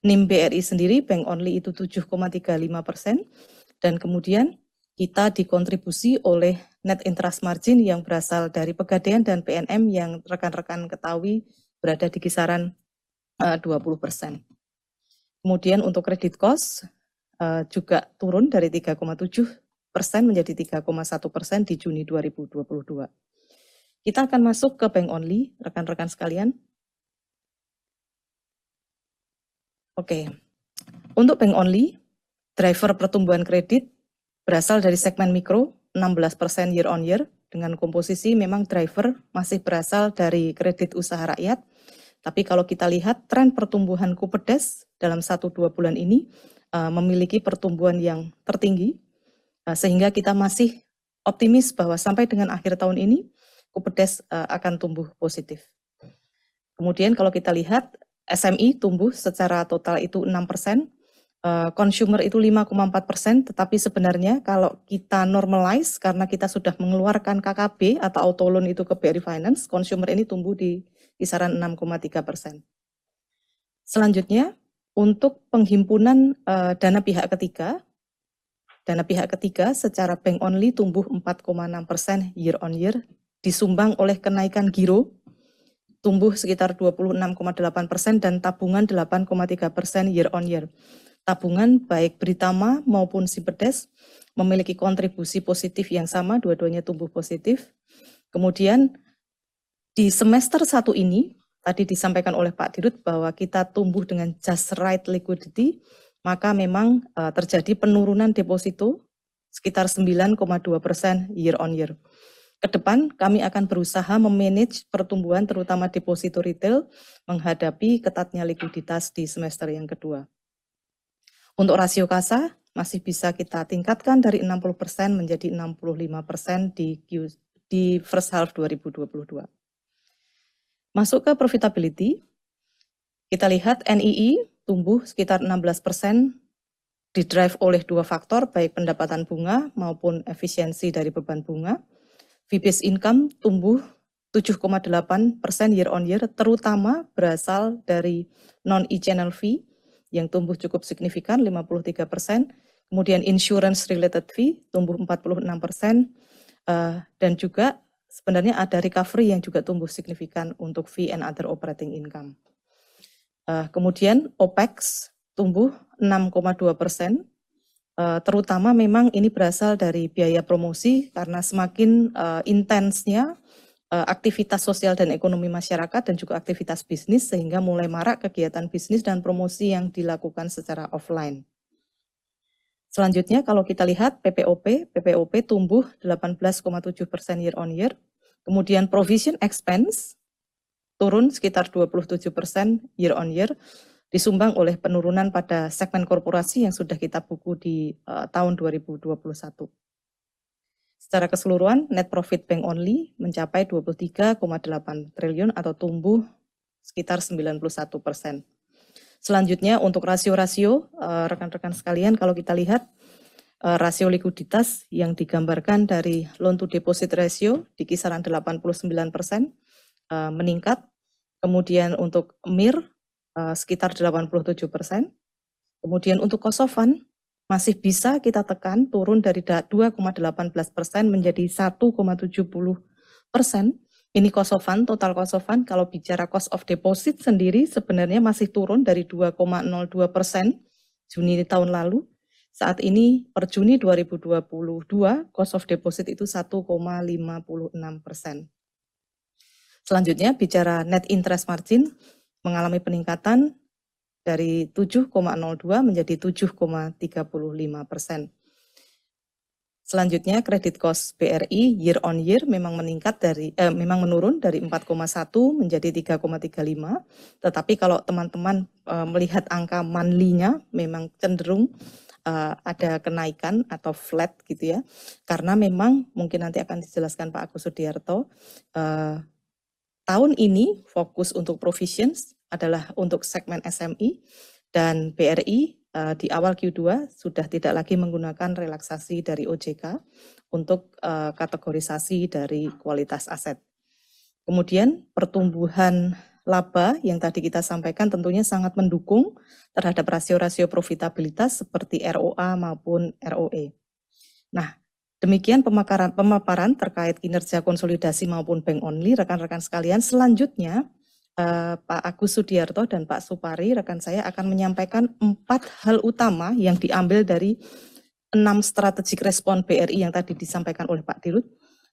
NIM BRI sendiri bank only itu 7.35% dan kemudian...Kita dikontribusi oleh net interest margin yang berasal dari Pegadaian dan PNM yang rekan-rekan ketahui berada di kisaran, dua puluh persen. Kemudian untuk credit cost, juga turun dari 3.7% menjadi 3.1% di Juni 2022. Kita akan masuk ke bank only rekan-rekan sekalian. Oke, untuk bank only, driver pertumbuhan kredit berasal dari segmen mikro 16% year-over-year dengan komposisi memang driver masih berasal dari kredit usaha rakyat. Kalau kita lihat tren pertumbuhan Kupedes dalam 1-2 bulan ini, memiliki pertumbuhan yang tertinggi, sehingga kita masih optimis bahwa sampai dengan akhir tahun ini Kupedes akan tumbuh positif. Kemudian kalau kita lihat SME tumbuh secara total itu 6%, consumer itu 5.4%, tetapi sebenarnya kalau kita normalize karena kita sudah mengeluarkan KKB atau autoloan itu ke BRI Finance, consumer ini tumbuh di kisaran 6.3%. Selanjutnya untuk penghimpunan dana pihak ketiga. Dana pihak ketiga secara bank only tumbuh 4.6% year-on-year, disumbang oleh kenaikan giro tumbuh sekitar 26.8% dan tabungan 8.3% year-on-year. Tabungan baik BritAma maupun Simpedes memiliki kontribusi positif yang sama dua-duanya tumbuh positif. Di semester satu ini tadi disampaikan oleh Pak Dirut bahwa kita tumbuh dengan just right liquidity, maka memang terjadi penurunan deposito sekitar 9.2% year-on-year. Ke depan kami akan berusaha me-manage pertumbuhan terutama deposito ritel menghadapi ketatnya likuiditas di semester yang kedua. Untuk rasio kas masih bisa kita tingkatkan dari 60% menjadi 65% di first half 2022. Masuk ke profitability, kita lihat NII tumbuh sekitar 16%, driven oleh dua faktor baik pendapatan bunga maupun efisiensi dari beban bunga. Fee-based income tumbuh 7.8% year-on-year terutama berasal dari non e-channel fee yang tumbuh cukup signifikan 53%, kemudian insurance-related fee tumbuh 46%, dan juga sebenarnya ada recovery yang juga tumbuh signifikan untuk fee and other operating income. Opex tumbuh 6.2%, terutama memang ini berasal dari biaya promosi karena semakin intensnya aktivitas sosial dan ekonomi masyarakat dan juga aktivitas bisnis sehingga mulai marak kegiatan bisnis dan promosi yang dilakukan secara offline. Selanjutnya kalau kita lihat PPOP tumbuh 18.7% year-on-year, kemudian provision expense turun sekitar 27% year-on-year disumbang oleh penurunan pada segmen korporasi yang sudah kita buku di tahun 2021. Secara keseluruhan net profit bank only mencapai 23.8 triliun atau tumbuh sekitar 91%. Selanjutnya untuk rasio-rasio, rekan-rekan sekalian kalau kita lihat, rasio likuiditas yang digambarkan dari loan to deposit ratio di kisaran 89%, meningkat. Untuk MIR sekitar 87%, kemudian untuk cost of fund masih bisa kita tekan turun dari 2.18% menjadi 1.70%. Ini cost of fund, total cost of fund kalau bicara cost of deposit sendiri sebenarnya masih turun dari 2.02% Juni tahun lalu. Saat ini per Juni 2022 cost of deposit itu 1.56%. Selanjutnya bicara net interest margin mengalami peningkatan dari 7.02 menjadi 7.35%. Selanjutnya credit cost BRI year-on-year memang meningkat dari, memang menurun dari 4.1 menjadi 3.35. Kalau teman-teman melihat angka monthly-nya memang cenderung ada kenaikan atau flat gitu ya karena memang mungkin nanti akan dijelaskan Pak Agus Sudiarto, tahun ini fokus untuk provisions adalah untuk segmen SME dan BRI, di awal Q2 sudah tidak lagi menggunakan relaksasi dari OJK untuk kategorisasi dari kualitas aset. Pertumbuhan laba yang tadi kita sampaikan tentunya sangat mendukung terhadap rasio-rasio profitabilitas seperti ROA maupun ROE. Nah, demikian pemaparan terkait kinerja konsolidasi maupun bank only rekan-rekan sekalian. Selanjutnya, Pak Agus Sudiarto dan Pak Supari rekan saya akan menyampaikan empat hal utama yang diambil dari enam strategic respon BRI yang tadi disampaikan oleh Pak Dirut.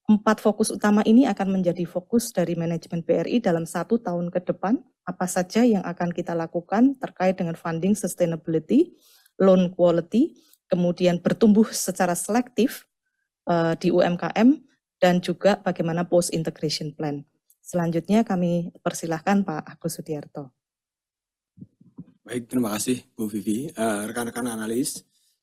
Empat fokus utama ini akan menjadi fokus dari manajemen BRI dalam satu tahun ke depan, apa saja yang akan kita lakukan terkait dengan funding sustainability, loan quality, kemudian bertumbuh secara selektif, di UMKM dan juga bagaimana post integration plan. Selanjutnya kami persilakan Pak Agus Sudiarto. Baik, terima kasih Bu Vivi. Rekan-rekan analis,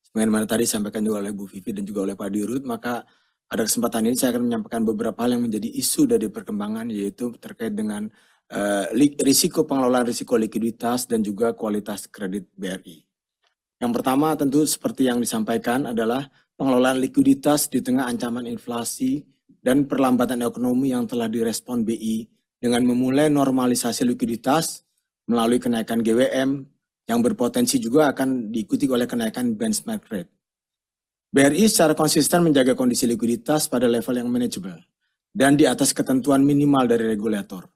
sebagaimana tadi disampaikan juga oleh Bu Vivi dan juga oleh Pak Dirut, maka pada kesempatan ini saya akan menyampaikan beberapa hal yang menjadi isu dari perkembangan, yaitu terkait dengan risiko pengelolaan risiko likuiditas dan juga kualitas kredit BRI. Yang pertama tentu seperti yang disampaikan adalah pengelolaan likuiditas di tengah ancaman inflasi dan perlambatan ekonomi yang telah direspon BI dengan memulai normalisasi likuiditas melalui kenaikan GWM yang berpotensi juga akan diikuti oleh kenaikan benchmark rate. BRI secara konsisten menjaga kondisi likuiditas pada level yang manageable dan di atas ketentuan minimal dari regulator.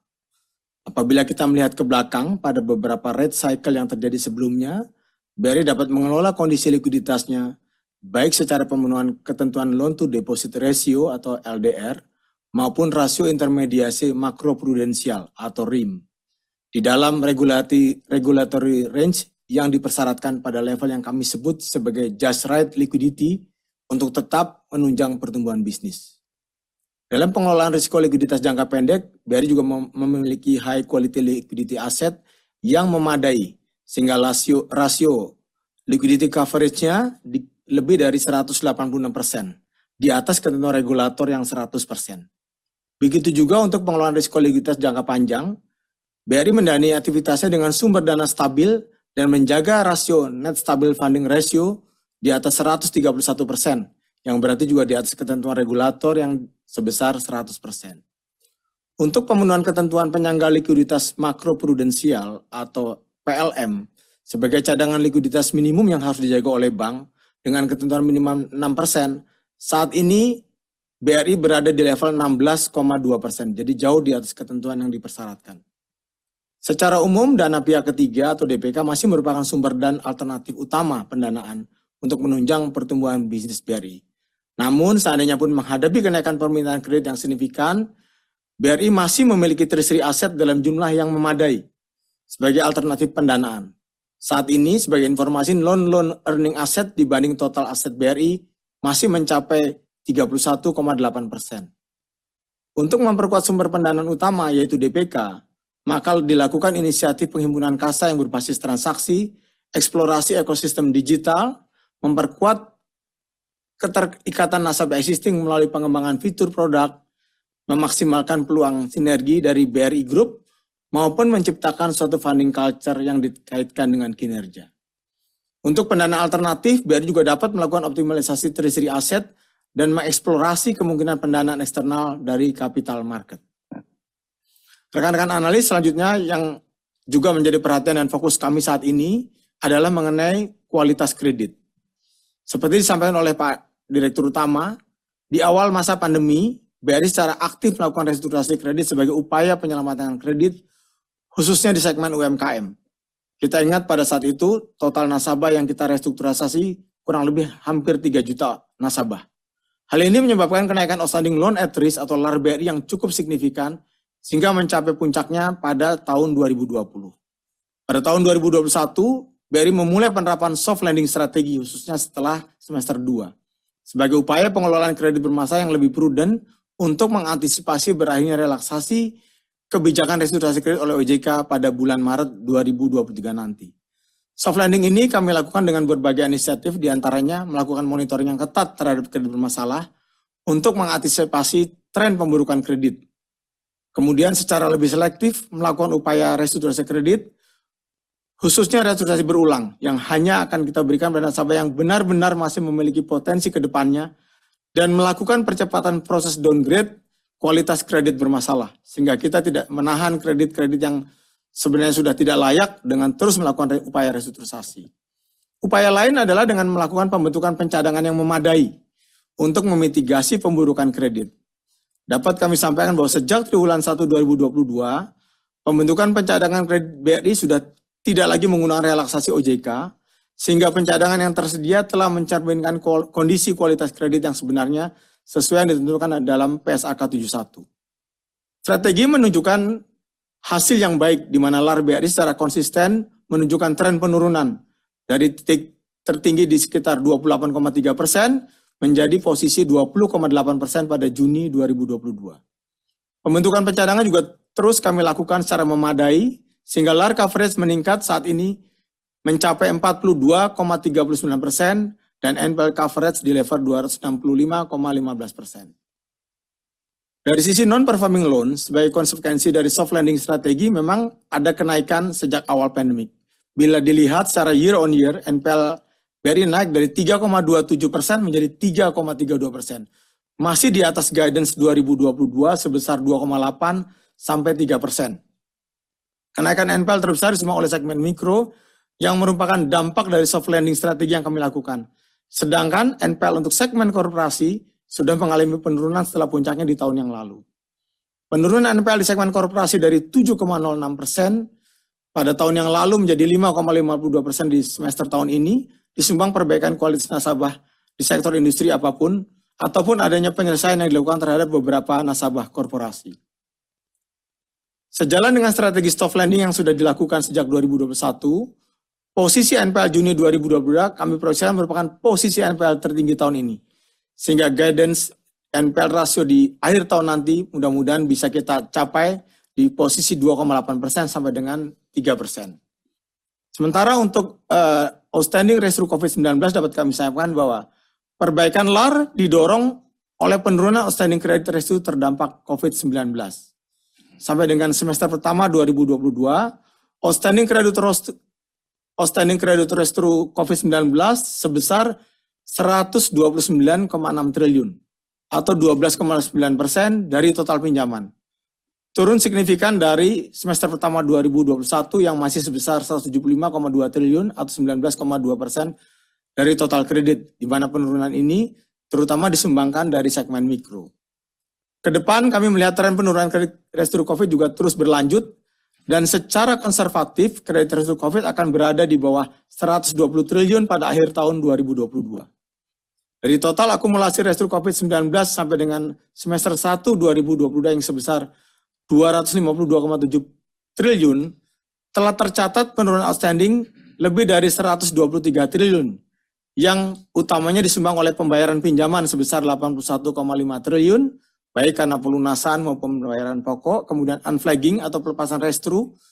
Apabila kita melihat ke belakang pada beberapa rate cycle yang terjadi sebelumnya, BRI dapat mengelola kondisi likuiditasnya baik secara pemenuhan ketentuan Loan to Deposit Ratio atau LDR maupun Rasio Intermediasi Makroprudensial atau RIM di dalam regulatory range yang dipersyaratkan pada level yang kami sebut sebagai just right liquidity untuk tetap menunjang pertumbuhan bisnis. Dalam pengelolaan risiko likuiditas jangka pendek, BRI juga memiliki high quality liquidity asset yang memadai sehingga rasio liquidity coverage-nya di lebih dari 186% di atas ketentuan regulator yang 100%. Begitu juga untuk pengelolaan risiko likuiditas jangka panjang, BRI mendanai aktivitasnya dengan sumber dana stabil dan menjaga rasio Net Stable Funding Ratio di atas 131% yang berarti juga di atas ketentuan regulator yang sebesar 100%. Untuk pemenuhan ketentuan Penyangga Likuiditas Makroprudensial atau PLM sebagai cadangan likuiditas minimum yang harus dijaga oleh bank dengan ketentuan minimum 6%, saat ini BRI berada di level 16.2% jadi jauh di atas ketentuan yang dipersyaratkan. Secara umum, dana pihak ketiga atau DPK masih merupakan sumber dan alternatif utama pendanaan untuk menunjang pertumbuhan bisnis BRI. Namun, seandainya pun menghadapi kenaikan permintaan kredit yang signifikan, BRI masih memiliki treasury aset dalam jumlah yang memadai sebagai alternatif pendanaan. Saat ini sebagai informasi non loan earning asset dibanding total aset BRI masih mencapai 31.8%. Untuk memperkuat sumber pendanaan utama, yaitu DPK, maka dilakukan inisiatif penghimpunan kas yang berbasis transaksi, eksplorasi ekosistem digital, memperkuat keterikatan nasabah existing melalui pengembangan fitur produk, memaksimalkan peluang sinergi dari BRI Group maupun menciptakan suatu funding culture yang dikaitkan dengan kinerja. Untuk pendanaan alternatif, BRI juga dapat melakukan optimalisasi treasury aset dan mengeksplorasi kemungkinan pendanaan eksternal dari capital market. Rekan-rekan analis selanjutnya yang juga menjadi perhatian dan fokus kami saat ini adalah mengenai kualitas kredit. Seperti disampaikan oleh Pak Direktur Utama, di awal masa pandemi, BRI secara aktif melakukan restrukturisasi kredit sebagai upaya penyelamatan kredit, khususnya di segmen UMKM. Kita ingat pada saat itu total nasabah yang kita restrukturisasi kurang lebih hampir 3 juta nasabah. Hal ini menyebabkan kenaikan outstanding loan at risk atau LAR BRI yang cukup signifikan sehingga mencapai puncaknya pada tahun 2020. Pada tahun 2021, BRI memulai penerapan soft landing strategy khususnya setelah semester dua sebagai upaya pengelolaan kredit bermasalah yang lebih prudent untuk mengantisipasi berakhirnya relaksasi kebijakan restrukturisasi kredit oleh OJK pada bulan Maret 2023 nanti. Soft lending ini kami lakukan dengan berbagai inisiatif, di antaranya melakukan monitoring yang ketat terhadap kredit bermasalah untuk mengantisipasi tren memburukan kredit. Kemudian secara lebih selektif melakukan upaya restrukturasi kredit, khususnya restrukturasi berulang yang hanya akan kita berikan pada nasabah yang benar-benar masih memiliki potensi ke depannya dan melakukan percepatan proses downgrade kualitas kredit bermasalah sehingga kita tidak menahan kredit-kredit yang sebenarnya sudah tidak layak dengan terus melakukan upaya restrukturisasi. Upaya lain adalah dengan melakukan pembentukan pencadangan yang memadai untuk memitigasi pemburukan kredit. Dapat kami sampaikan bahwa sejak triwulan 1 2022, pembentukan pencadangan kredit BRI sudah tidak lagi menggunakan relaksasi OJK, sehingga pencadangan yang tersedia telah mencerminkan kondisi kualitas kredit yang sebenarnya sesuai yang ditentukan dalam PSAK 71. Strategi menunjukkan hasil yang baik di mana LAR BRI secara konsisten menunjukkan tren penurunan dari titik tertinggi di sekitar 28.3% menjadi posisi 20.8% pada Juni 2022. Pembentukan pencadangan juga terus kami lakukan secara memadai sehingga LAR coverage meningkat saat ini mencapai 42.39% dan NPL coverage di level 265.15%. Dari sisi non-performing loan sebagai konsekuensi dari soft lending strategy memang ada kenaikan sejak awal pandemi. Bila dilihat secara year-on-year, NPL BRI naik dari 3.27% menjadi 3.32%, masih di atas guidance 2022 sebesar 2.8%-3%. Kenaikan NPL terbesar disebabkan oleh segmen mikro yang merupakan dampak dari soft lending strategy yang kami lakukan. Sedangkan NPL untuk segmen korporasi sudah mengalami penurunan setelah puncaknya di tahun yang lalu. Penurunan NPL di segmen korporasi dari 7.06% pada tahun yang lalu menjadi 5.52% di semester tahun ini disumbang perbaikan kualitas nasabah di sektor industri apa pun ataupun adanya penyelesaian yang dilakukan terhadap beberapa nasabah korporasi. Sejalan dengan strategi soft landing yang sudah dilakukan sejak 2021, posisi NPL Juni 2022 kami perkirakan merupakan posisi NPL tertinggi tahun ini. Sehingga guidance NPL rasio di akhir tahun nanti mudah-mudahan bisa kita capai di posisi 2.8%-3%. Sementara untuk outstanding risiko COVID-19 dapat kami sampaikan bahwa perbaikan LAR didorong oleh penurunan outstanding kredit risiko terdampak COVID-19. Sampai dengan semester pertama 2022, outstanding kredit restrukturisasi COVID-19 sebesar 129.6 triliun atau 12.9% dari total pinjaman. Turun signifikan dari semester pertama 2021 yang masih sebesar 175.2 triliun atau 19.2% dari total kredit, di mana penurunan ini terutama disumbangkan dari segmen mikro. Ke depan kami melihat tren penurunan kredit restrukturisasi COVID juga terus berlanjut dan secara konservatif kredit restrukturisasi COVID akan berada di bawah 120 triliun pada akhir tahun 2022. Dari total akumulasi restrukturisasi COVID-19 sampai dengan semester satu 2022 yang sebesar 252.7 triliun, telah tercatat penurunan outstanding lebih dari 123 triliun yang utamanya disumbang oleh pembayaran pinjaman sebesar 81.5 triliun baik karena pelunasan maupun pembayaran pokok, kemudian unflagging atau pelepasan restrukturisasi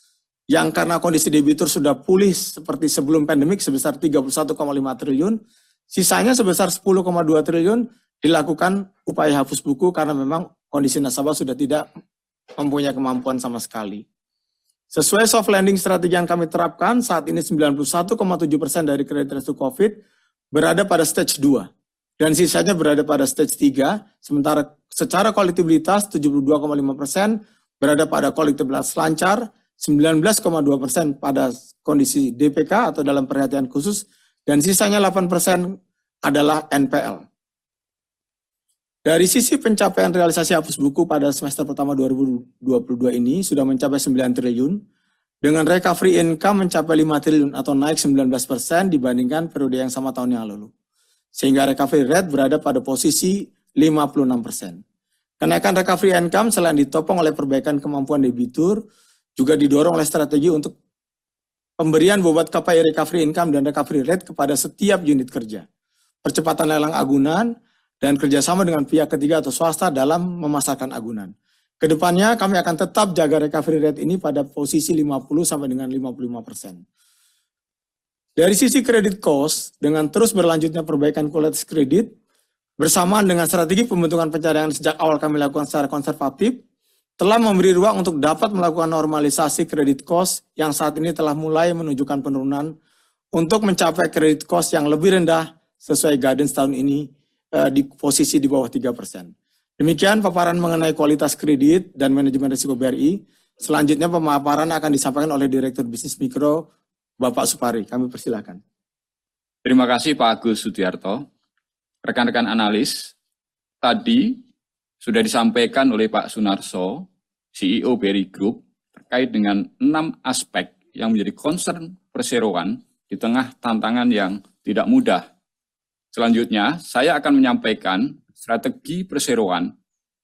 yang karena kondisi debitur sudah pulih seperti sebelum pandemik sebesar 31.5 triliun. Sisanya sebesar 10.2 triliun dilakukan upaya hapus buku karena memang kondisi nasabah sudah tidak mempunyai kemampuan sama sekali. Sesuai soft landing strategi yang kami terapkan saat ini 91.7% dari kredit restrukturisasi COVID berada pada stage 2 dan sisanya berada pada stage 3, sementara secara kolektabilitas 72.5% berada pada kolektabilitas lancar, 19.2% pada kondisi DPK atau dalam perhatian khusus, dan sisanya 8% adalah NPL. Dari sisi pencapaian realisasi hapus buku pada semester pertama 2022 ini sudah mencapai 9 triliun dengan recovery income mencapai 5 triliun atau naik 19% dibandingkan periode yang sama tahun yang lalu. Sehingga recovery rate berada pada posisi 56%. Kenaikan recovery income selain ditopang oleh perbaikan kemampuan debitur juga didorong oleh strategi untuk pemberian bobot KPI recovery income dan recovery rate kepada setiap unit kerja, percepatan lelang agunan, dan kerja sama dengan pihak ketiga atau swasta dalam memasarkan agunan. Ke depannya kami akan tetap jaga recovery rate ini pada posisi 50%-55%. Dari sisi credit cost dengan terus berlanjutnya perbaikan kualitas kredit bersamaan dengan strategi pembentukan pencadangan sejak awal kami lakukan secara konservatif telah memberi ruang untuk dapat melakukan normalisasi credit cost yang saat ini telah mulai menunjukkan penurunan untuk mencapai credit cost yang lebih rendah sesuai guidance tahun ini di posisi di bawah 3%. Demikian paparan mengenai kualitas kredit dan manajemen risiko BRI. Selanjutnya pemaparan akan disampaikan oleh Direktur Bisnis Mikro, Bapak Supari. Kami persilakan. Terima kasih Pak Agus Sudiarto. Rekan-rekan analis, tadi sudah disampaikan oleh Pak Sunarso, CEO BRI Group terkait dengan 6 aspek yang menjadi concern perseroan di tengah tantangan yang tidak mudah. Selanjutnya, saya akan menyampaikan strategi perseroan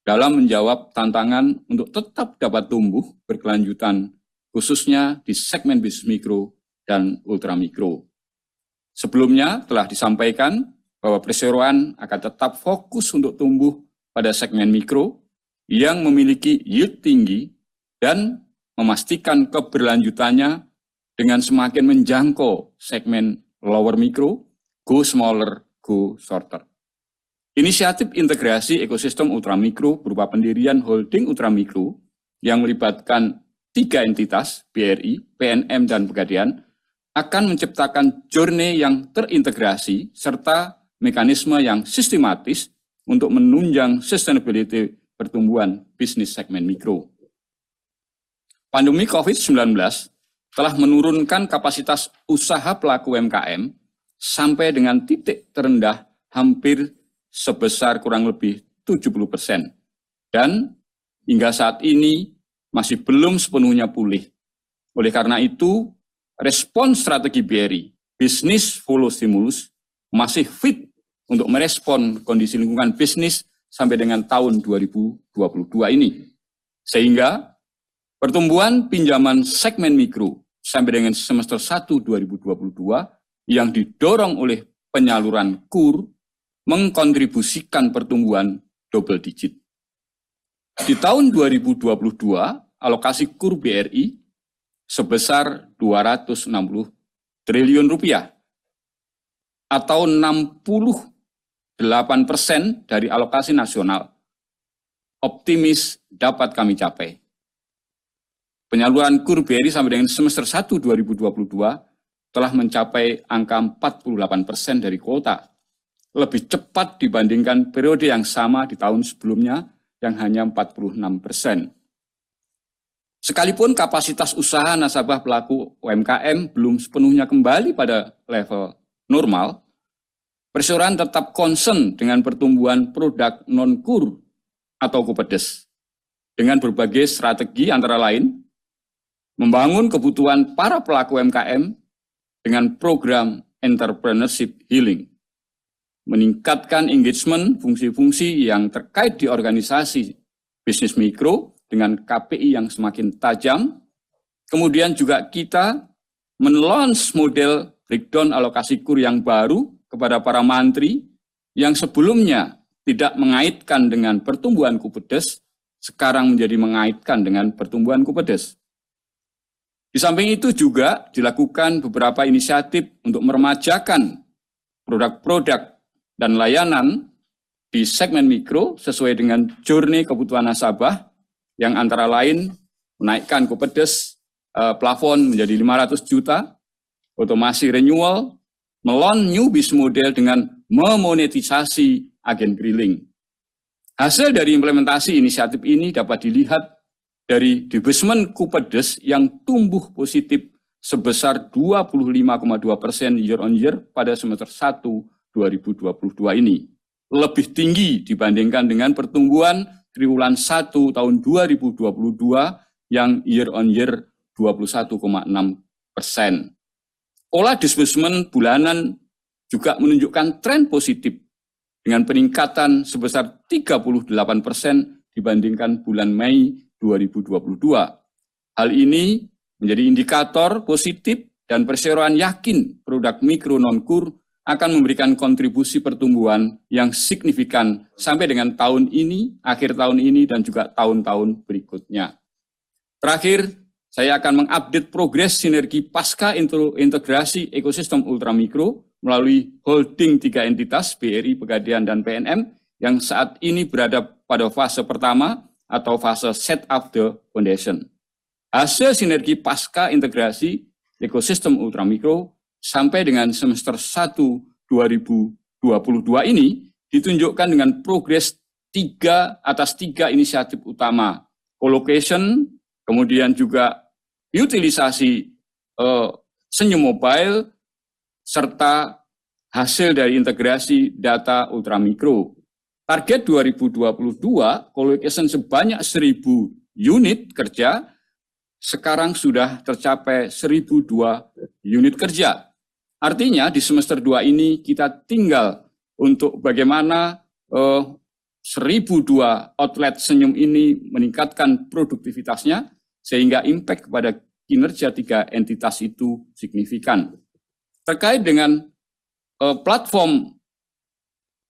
dalam menjawab tantangan untuk tetap dapat tumbuh berkelanjutan khususnya di segmen bisnis mikro dan ultra mikro. Sebelumnya telah disampaikan bahwa perseroan akan tetap fokus untuk tumbuh pada segmen mikro yang memiliki yield tinggi dan memastikan keberlanjutannya dengan semakin menjangkau segmen lower mikro, go smaller, go shorter. Inisiatif integrasi ekosistem ultra mikro berupa pendirian holding ultra mikro yang melibatkan 3 entitas BRI, PNM, dan Pegadaian akan menciptakan journey yang terintegrasi serta mekanisme yang sistematis untuk menunjang sustainability pertumbuhan bisnis segmen mikro. Pandemi COVID-19 telah menurunkan kapasitas usaha pelaku UMKM sampai dengan titik terendah hampir sebesar kurang lebih 70% dan hingga saat ini masih belum sepenuhnya pulih. Oleh karena itu, respons strategi BRI, business follows stimulus, masih fit untuk merespons kondisi lingkungan bisnis sampai dengan tahun 2022 ini. Pertumbuhan pinjaman segmen mikro sampai dengan semester satu 2022 yang didorong oleh penyaluran KUR mengkontribusikan pertumbuhan double digit. Di tahun 2022, alokasi KUR BRI sebesar IDR 260 triliun atau 68% dari alokasi nasional. Optimis dapat kami capai. Penyaluran KUR BRI sampai dengan semester satu 2022 telah mencapai angka 48% dari kuota, lebih cepat dibandingkan periode yang sama di tahun sebelumnya yang hanya 46%. Sekalipun kapasitas usaha nasabah pelaku UMKM belum sepenuhnya kembali pada level normal, perseroan tetap concern dengan pertumbuhan produk non-KUR atau Kupedes dengan berbagai strategi antara lain membangun kebutuhan para pelaku UMKM dengan program Entrepreneurship Healing, meningkatkan engagement fungsi-fungsi yang terkait di organisasi bisnis mikro dengan KPI yang semakin tajam. Kita men-launch model breakdown alokasi KUR yang baru kepada para menteri yang sebelumnya tidak mengaitkan dengan pertumbuhan Kupedes, sekarang menjadi mengaitkan dengan pertumbuhan Kupedes. Di samping itu juga dilakukan beberapa inisiatif untuk meremajakan produk-produk dan layanan di segmen mikro sesuai dengan journey kebutuhan nasabah yang antara lain menaikkan plafon Kupedes menjadi 500 juta, otomasi renewal, men-launch new business model dengan memonetisasi agen keliling. Hasil dari implementasi inisiatif ini dapat dilihat dari disbursement Kupedes yang tumbuh positif sebesar 25.2% year-over-year pada semester satu 2022 ini. Lebih tinggi dibandingkan dengan pertumbuhan triwulan satu tahun 2022 yang year-over-year 21.6%. Overall disbursement bulanan juga menunjukkan tren positif dengan peningkatan sebesar 38% dibandingkan bulan Mei 2022. Hal ini menjadi indikator positif dan perseroan yakin produk mikro non-KUR akan memberikan kontribusi pertumbuhan yang signifikan sampai dengan tahun ini, akhir tahun ini, dan juga tahun-tahun berikutnya. Terakhir, saya akan mengupdate progres sinergi pasca integrasi ekosistem Ultra Mikro melalui holding tiga entitas BRI, Pegadaian, dan PNM yang saat ini berada pada fase pertama atau fase set up the foundation. Hasil sinergi pasca integrasi ekosistem Ultra Mikro sampai dengan semester 1 2022 ini ditunjukkan dengan progres atas tiga inisiatif utama co-location, kemudian juga utilisasi SenyuM Mobile, serta hasil dari integrasi data Ultra Mikro. Target 2022 co-location sebanyak 1,000 unit kerja sekarang sudah tercapai 1,002 unit kerja. Artinya di semester dua ini kita tinggal untuk bagaimana 1,002 outlet SenyuM ini meningkatkan produktivitasnya sehingga impact pada kinerja tiga entitas itu signifikan. Terkait dengan platform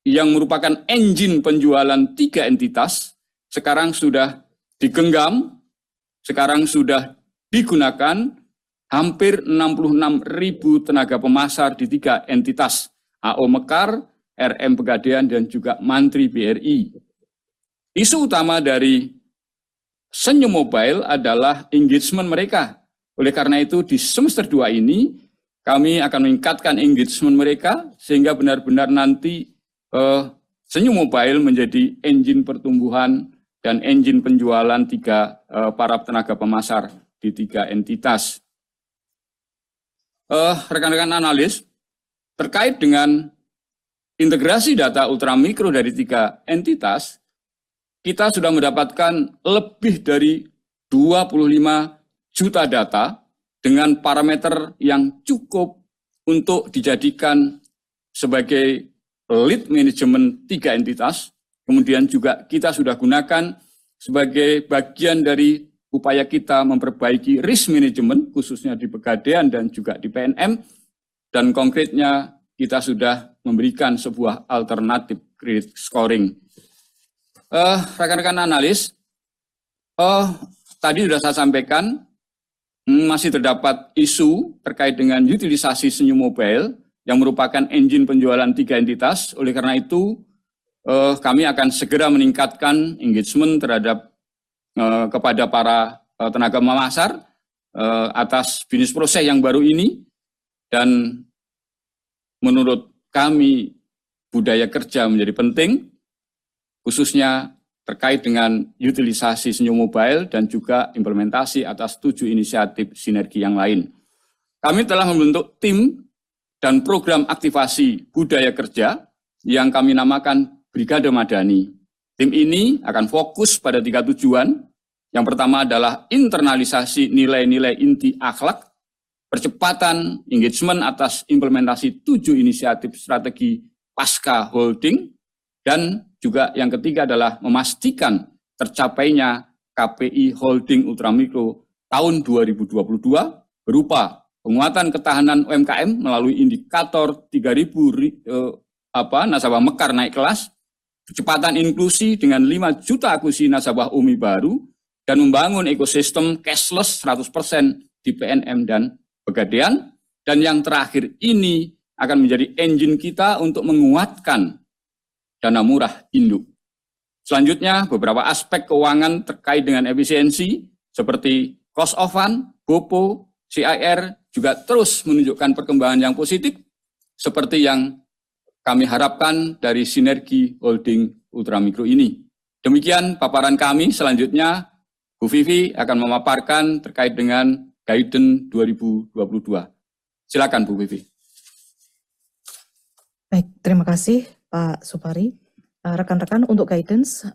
yang merupakan engine penjualan tiga entitas sekarang sudah digenggam, sekarang sudah digunakan hampir 66,000 tenaga pemasar di tiga entitas AO Mekaar, RM Pegadaian, dan juga Mantri BRI. Isu utama dari SenyuM Mobile adalah engagement mereka. Oleh karena itu, di semester dua ini kami akan meningkatkan engagement mereka sehingga benar-benar nanti SenyuM Mobile menjadi engine pertumbuhan dan engine penjualan tiga para tenaga pemasar di tiga entitas. Rekan-rekan analis, terkait dengan integrasi data Ultra Mikro dari tiga entitas, kita sudah mendapatkan lebih dari 25 juta data dengan parameter yang cukup untuk dijadikan sebagai lead manajemen tiga entitas, kemudian juga kita sudah gunakan sebagai bagian dari upaya kita memperbaiki risk management khususnya di Pegadaian dan juga di PNM dan konkretnya kita sudah memberikan sebuah alternatif credit scoring. Rekan-rekan analis, tadi sudah saya sampaikan masih terdapat isu terkait dengan utilisasi SenyuM Mobile yang merupakan engine penjualan 3 entitas. Oleh karena itu, kami akan segera meningkatkan engagement terhadap kepada para tenaga pemasar atas business process yang baru ini dan menurut kami budaya kerja menjadi penting khususnya terkait dengan utilisasi SenyuM Mobile dan juga implementasi atas 7 inisiatif sinergi yang lain. Kami telah membentuk tim dan program aktivasi budaya kerja yang kami namakan Brigade Madani. Tim ini akan fokus pada 3 tujuan. Yang pertama adalah internalisasi nilai-nilai inti AKHLAK, percepatan engagement atas implementasi 7 inisiatif strategi pasca holding, dan juga yang ketiga adalah memastikan tercapainya KPI Ultra Micro Holding tahun 2022 berupa penguatan ketahanan UMKM melalui indikator 3,000 ri. Apa nasabah Mekaar naik kelas, kecepatan inklusi dengan 5 juta akuisisi nasabah UMI baru, dan membangun ekosistem cashless 100% di PNM dan Pegadaian, dan yang terakhir ini akan menjadi engine kita untuk menguatkan dana murah induk. Selanjutnya, beberapa aspek keuangan terkait dengan efisiensi seperti cross-over, PPOP, CIR juga terus menunjukkan perkembangan yang positif seperti yang kami harapkan dari sinergi holding Ultra Micro ini. Demikian paparan kami. Selanjutnya, Bu Vivi akan memaparkan terkait dengan guidance 2022. Silakan, Bu Vivi. Baik, terima kasih, Pak Supari. Rekan-rekan, untuk guidance,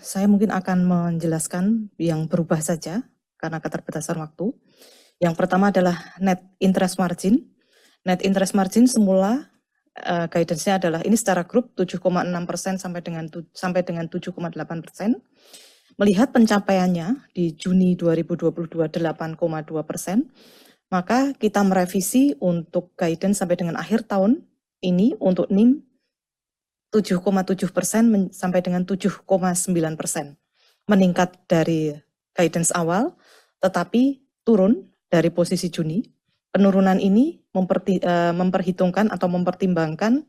saya mungkin akan menjelaskan yang berubah saja karena keterbatasan waktu. Yang pertama adalah net interest margin. Net interest margin semula guidance-nya adalah, ini secara grup 7.6%-7.8%. Melihat pencapaiannya di June 2022 8.2%, maka kita merevisi untuk guidance sampai dengan akhir tahun ini untuk NIM 7.7%-7.9%. Meningkat dari guidance awal tetapi turun dari posisi Juni. Penurunan ini memperhitungkan atau mempertimbangkan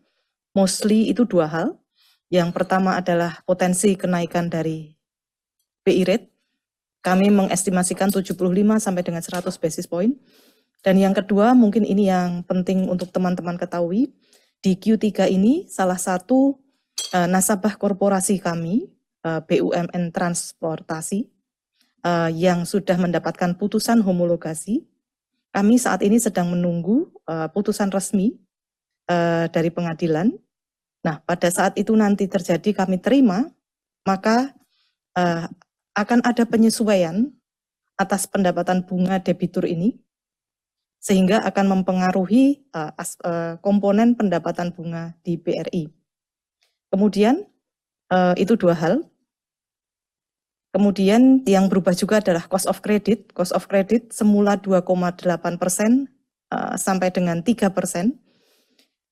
mostly itu dua hal. Yang pertama adalah potensi kenaikan dari BI Rate. Kami mengestimasikan 75-100 basis point. Yang kedua mungkin ini yang penting untuk teman-teman ketahui, di Q3 ini salah satu nasabah korporasi kami Garuda Indonesia yang sudah mendapatkan putusan homologasi. Kami saat ini sedang menunggu putusan resmi dari pengadilan. Nah, pada saat itu nanti terjadi kami terima maka akan ada penyesuaian atas pendapatan bunga debitur ini sehingga akan mempengaruhi komponen pendapatan bunga di BRI. Itu dua hal. Yang berubah juga adalah cost of credit. Cost of credit semula 2.8%-3%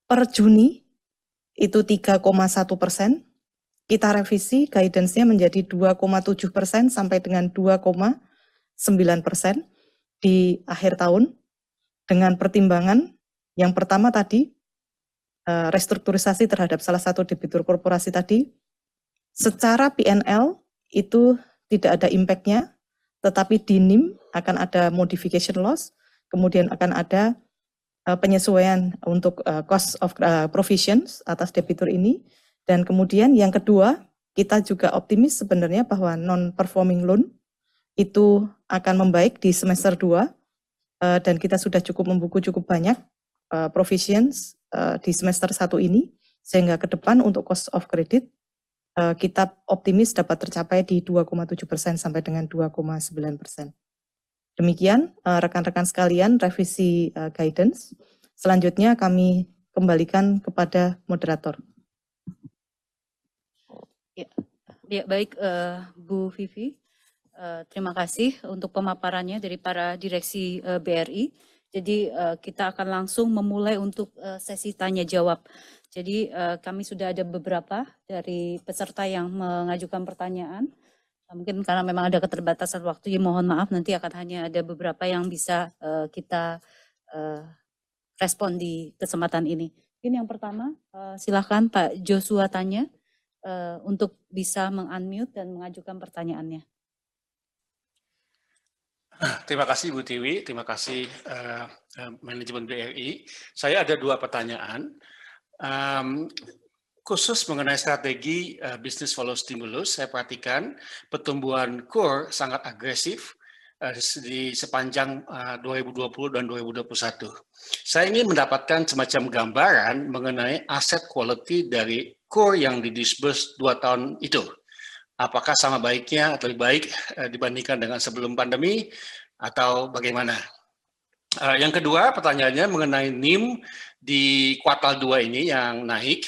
per Juni itu 3.1% kita revisi guidance-nya menjadi 2.7%-2.9% di akhir tahun dengan pertimbangan yang pertama tadi restrukturisasi terhadap salah satu debitur korporasi tadi. Secara P&L itu tidak ada impactnya tetapi di NIM akan ada modification loss kemudian akan ada penyesuaian untuk cost of provisions atas debitur ini dan kemudian yang kedua kita juga optimis sebenarnya bahwa non-performing loan itu akan membaik di semester dua dan kita sudah cukup membuku cukup banyak provisions di semester satu ini sehingga ke depan untuk cost of credit kita optimis dapat tercapai di 2.7% sampai dengan 2.9%. Demikian rekan-rekan sekalian revisi guidance. Selanjutnya kami kembalikan kepada moderator. Ya, baik, Bu Vivi. Terima kasih untuk pemaparannya dari para direksi BRI. Jadi kita akan langsung memulai untuk sesi tanya jawab. Jadi kami sudah ada beberapa dari peserta yang mengajukan pertanyaan. Mungkin karena memang ada keterbatasan waktu, mohon maaf, nanti akan hanya ada beberapa yang bisa kita respons di kesempatan ini. Mungkin yang pertama, silahkan Pak Joshua tanya untuk bisa unmute dan mengajukan pertanyaannya. Terima kasih Bu Dewi, terima kasih manajemen BRI. Saya ada dua pertanyaan khusus mengenai strategi business stimulus. Saya perhatikan pertumbuhan KUR sangat agresif di sepanjang 2020 dan 2021. Saya ingin mendapatkan semacam gambaran mengenai aset quality dari KUR yang didisburse dua tahun itu. Apakah sama baiknya atau lebih baik dibandingkan dengan sebelum pandemi atau bagaimana? Yang kedua pertanyaannya mengenai NIM di kuartal dua ini yang naik.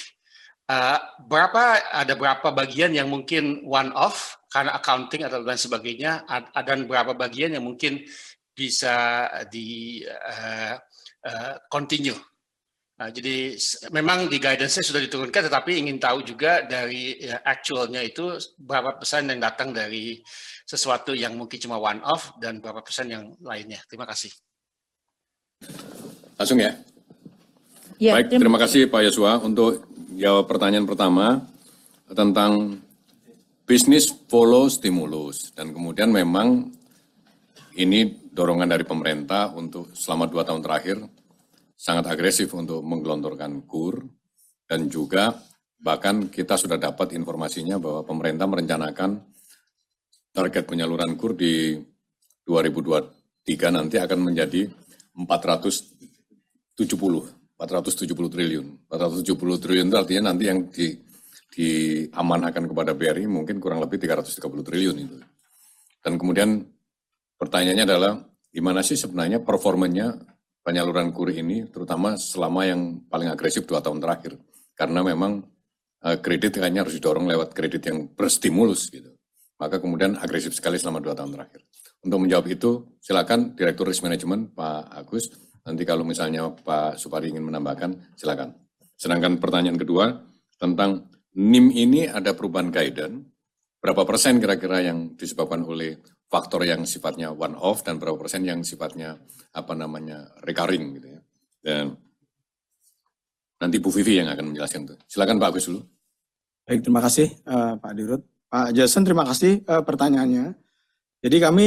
Berapa, ada berapa bagian yang mungkin one off karena accounting atau dan sebagainya? Ada berapa bagian yang mungkin bisa di continue? Jadi memang di guidance sudah diturunkan tetapi ingin tahu juga dari actualnya itu berapa persen yang datang dari sesuatu yang mungkin cuma one off dan berapa persen yang lainnya. Terima kasih. Langsung ya? Baik, terima kasih Pak Yoshua untuk jawab pertanyaan pertama tentang business stimulus dan kemudian memang ini dorongan dari pemerintah untuk selama dua tahun terakhir sangat agresif untuk menggelontorkan KUR dan juga bahkan kita sudah dapat informasinya bahwa pemerintah merencanakan target penyaluran KUR di 2023 nanti akan menjadi 470 triliun. 470 triliun itu artinya nanti yang diamanahkan kepada BRI mungkin kurang lebih 330 triliun itu. Kemudian pertanyaannya adalah gimana sih sebenarnya performanya penyaluran KUR ini terutama selama yang paling agresif dua tahun terakhir? Karena memang kredit hanya harus didorong lewat kredit yang berstimulus gitu, maka kemudian agresif sekali selama dua tahun terakhir. Untuk menjawab itu silahkan Direktur Manajemen Risiko Pak Agus nanti kalau misalnya Pak Supari ingin menambahkan silahkan. Sedangkan pertanyaan kedua tentang NIM ini ada perubahan guidance berapa % kira-kira yang disebabkan oleh faktor yang sifatnya one-off dan berapa % yang sifatnya apa namanya recurring gitu ya. Nanti Bu Vivi yang akan menjelaskan itu. Silakan Pak Agus dulu. Baik terima kasih Pak Dirut. Pak Jason terima kasih pertanyaannya. Jadi kami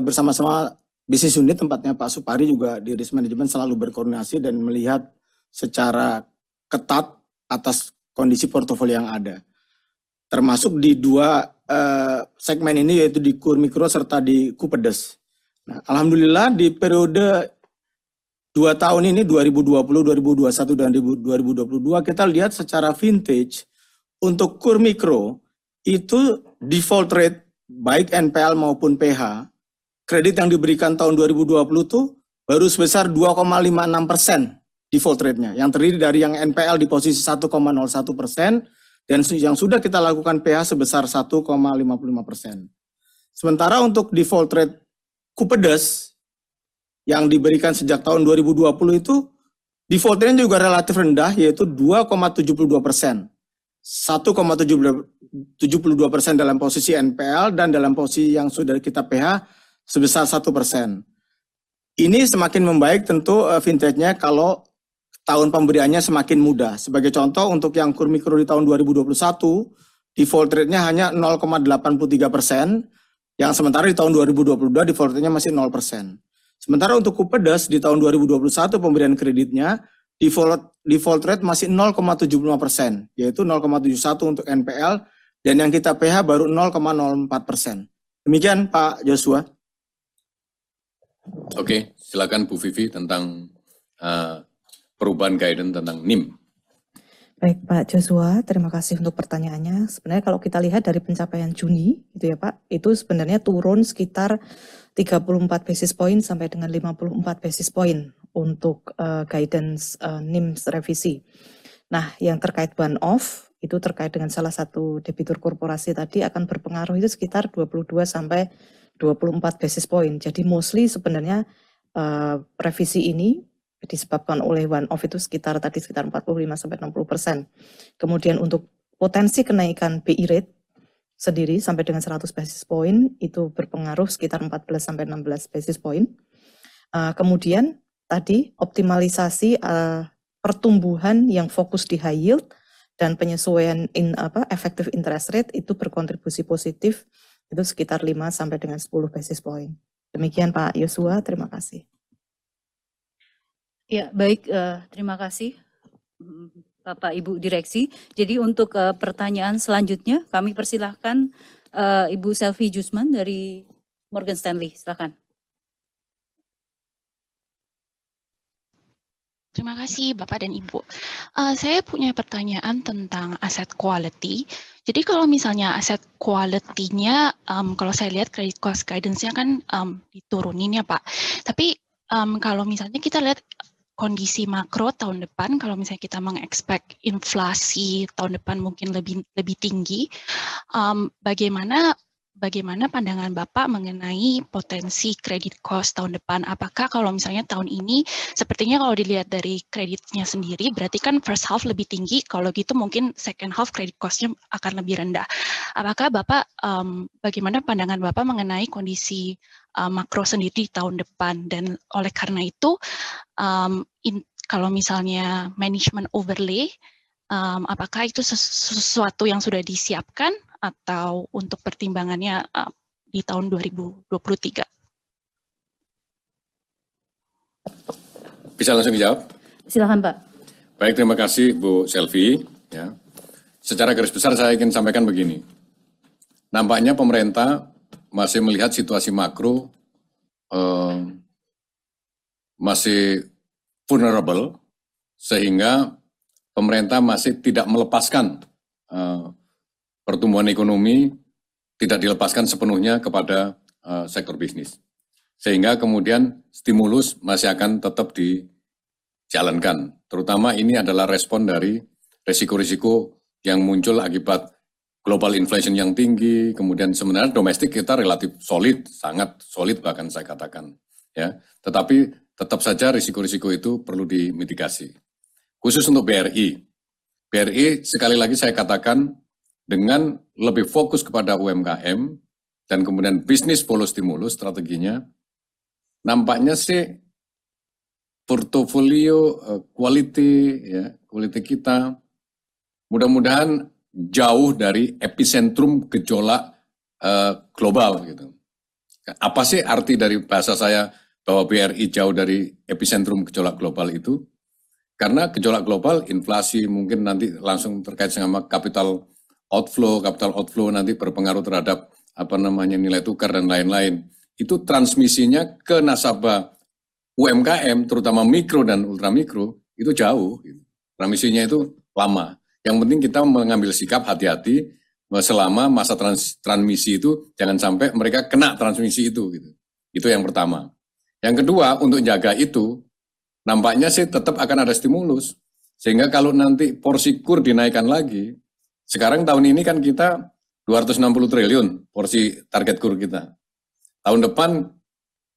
bersama-sama business unit tempatnya Pak Supari juga di risk management selalu berkoordinasi dan melihat secara ketat atas kondisi portfolio yang ada termasuk di dua segmen ini yaitu di KUR Mikro serta di Kupedes. Alhamdulillah di periode dua tahun ini 2020, 2021 dan 2022 kita lihat secara vintage untuk KUR Mikro itu default rate baik NPL maupun PH kredit yang diberikan tahun 2020 itu baru sebesar 2.56% default rate-nya yang terdiri dari yang NPL di posisi 1.01% dan yang sudah kita lakukan PH sebesar 1.55%. Sementara untuk default rate Kupedes yang diberikan sejak tahun 2020 itu default rate juga relatif rendah yaitu 2.72%. 1.72% dalam posisi NPL dan dalam posisi yang sudah kita PH sebesar 1%. Ini semakin membaik tentu vintage-nya kalau tahun pemberiannya semakin mudah. Sebagai contoh untuk yang KUR Mikro di tahun 2021 default rate-nya hanya 0.83% yang sementara di tahun 2022 default rate-nya masih 0%. Sementara untuk Kupedes di tahun 2021 pemberian kreditnya default rate masih 0.75% yaitu 0.71 untuk NPL dan yang kita PH baru 0.04%. Demikian Pak Joshua. Oke, silahkan Bu Vivi tentang perubahan guidance tentang NIM. Baik Pak Joshua, terima kasih untuk pertanyaannya. Sebenarnya kalau kita lihat dari pencapaian Juni itu ya Pak itu sebenarnya turun sekitar 34 basis point sampai dengan 54 basis point untuk guidance NIMs revisi. Nah yang terkait one-off itu terkait dengan salah satu debitur korporasi tadi akan berpengaruh itu sekitar 22 sampai 24 basis point. Jadi mostly sebenarnya revisi ini disebabkan oleh one-off itu sekitar tadi sekitar 45%-60%. Kemudian untuk potensi kenaikan BI Rate sendiri sampai dengan 100 basis point itu berpengaruh sekitar 14 sampai 16 basis point. Kemudian tadi optimalisasi pertumbuhan yang fokus di high yield dan penyesuaian effective interest rate itu berkontribusi positif itu sekitar 5 sampai dengan 10 basis point. Demikian Pak Joshua, terima kasih. Ya, baik, terima kasih, Bapak Ibu Direksi. Untuk pertanyaan selanjutnya kami persilakan Ibu Selvie Jusman dari Morgan Stanley, silahkan. Terima kasih Bapak dan Ibu. Saya punya pertanyaan tentang asset quality. Jadi kalau misalnya asset quality-nya kalau saya lihat credit cost guidance-nya kan diturunin ya Pak. Tapi kalau misalnya kita lihat kondisi makro tahun depan kalau misalnya kita expect inflasi tahun depan mungkin lebih tinggi, bagaimana pandangan Bapak mengenai potensi credit cost tahun depan? Apakah kalau misalnya tahun ini sepertinya kalau dilihat dari kreditnya sendiri berarti kan first half lebih tinggi kalau gitu mungkin second half credit cost-nya akan lebih rendah. Bagaimana pandangan Bapak mengenai kondisi makro sendiri tahun depan? Oleh karena itu kalau misalnya management overlay apakah itu sesuatu yang sudah disiapkan atau untuk pertimbangannya di tahun 2023? Bisa langsung dijawab? Silakan Pak. Baik terima kasih Bu Selvi, ya. Secara garis besar saya ingin sampaikan begini, nampaknya pemerintah masih melihat situasi makro masih vulnerable sehingga pemerintah masih tidak melepaskan pertumbuhan ekonomi, tidak dilepaskan sepenuhnya kepada sektor bisnis. Stimulus masih akan tetap dijalankan terutama ini adalah respon dari risiko-risiko yang muncul akibat global inflation yang tinggi kemudian sebenarnya domestik kita relatif solid sangat solid bahkan saya katakan ya. Tetapi tetap saja risiko-risiko itu perlu dimitigasi. Khusus untuk BRI sekali lagi saya katakan dengan lebih fokus kepada UMKM dan kemudian business plus stimulus strateginya nampaknya sih portofolio quality ya quality kita mudah-mudahan jauh dari episentrum gejolak global gitu. Apa sih arti dari bahasa saya bahwa BRI jauh dari episentrum gejolak global itu? Karena gejolak global inflasi mungkin nanti langsung terkait sama capital outflow, capital outflow nanti berpengaruh terhadap apa namanya nilai tukar dan lain-lain. Itu transmisinya ke nasabah UMKM terutama mikro dan ultra mikro itu jauh gitu. Transmisinya itu lama. Yang penting kita mengambil sikap hati-hati selama masa trans-transmisi itu jangan sampai mereka kena transmisi itu gitu. Itu yang pertama. Yang kedua untuk jaga itu nampaknya sih tetap akan ada stimulus sehingga kalau nanti porsi KUR dinaikkan lagi sekarang tahun ini kan kita 260 triliun porsi target KUR kita. Tahun depan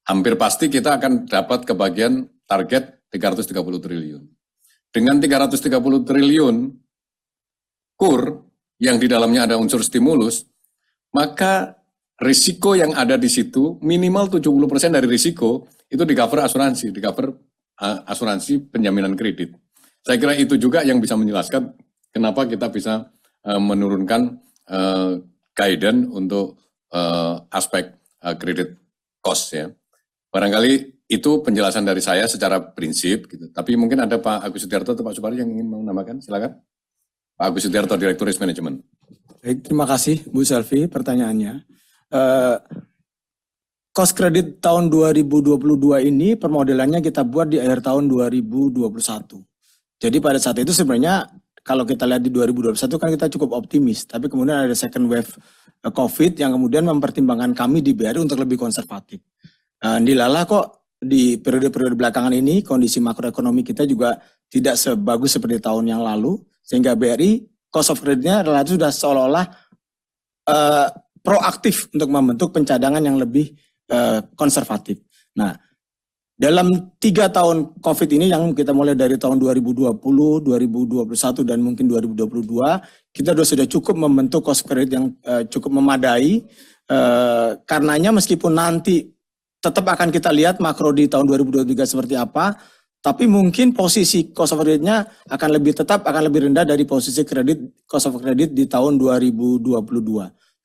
hampir pasti kita akan dapat kebagian target 330 triliun. Dengan 330 triliun KUR yang di dalamnya ada unsur stimulus maka risiko yang ada di situ minimal 70% dari risiko itu di-cover asuransi, di-cover asuransi penjaminan kredit. Saya kira itu juga yang bisa menjelaskan kenapa kita bisa menurunkan guidance untuk aspek credit cost ya. Barangkali itu penjelasan dari saya secara prinsip gitu. Mungkin ada Pak Agus Sudiarto atau Pak Supari yang ingin menambahkan, silahkan. Pak Agus Sudiarto, Director Risk Management. Baik terima kasih Ibu Selvi pertanyaannya. Cost of credit tahun 2022 ini permodelannya kita buat di akhir tahun 2021. Jadi pada saat itu sebenarnya kalau kita lihat di 2021 kan kita cukup optimis tapi kemudian ada second wave COVID yang kemudian mempertimbangkan kami di BRI untuk lebih konservatif. Andai lah kok di periode-periode belakangan ini kondisi makro ekonomi kita juga tidak sebagus seperti tahun yang lalu sehingga BRI cost of credit-nya relatif sudah seolah-olah Proaktif untuk membentuk pencadangan yang lebih konservatif. Nah, dalam 3 tahun COVID ini yang kita mulai dari tahun 2020, 2021 dan mungkin 2022 kita sudah cukup membentuk cost of credit yang cukup memadai. Karenanya meskipun nanti tetap akan kita lihat makro di tahun 2023 seperti apa tapi mungkin posisi cost of creditnya akan lebih rendah dari posisi cost of credit di tahun 2022.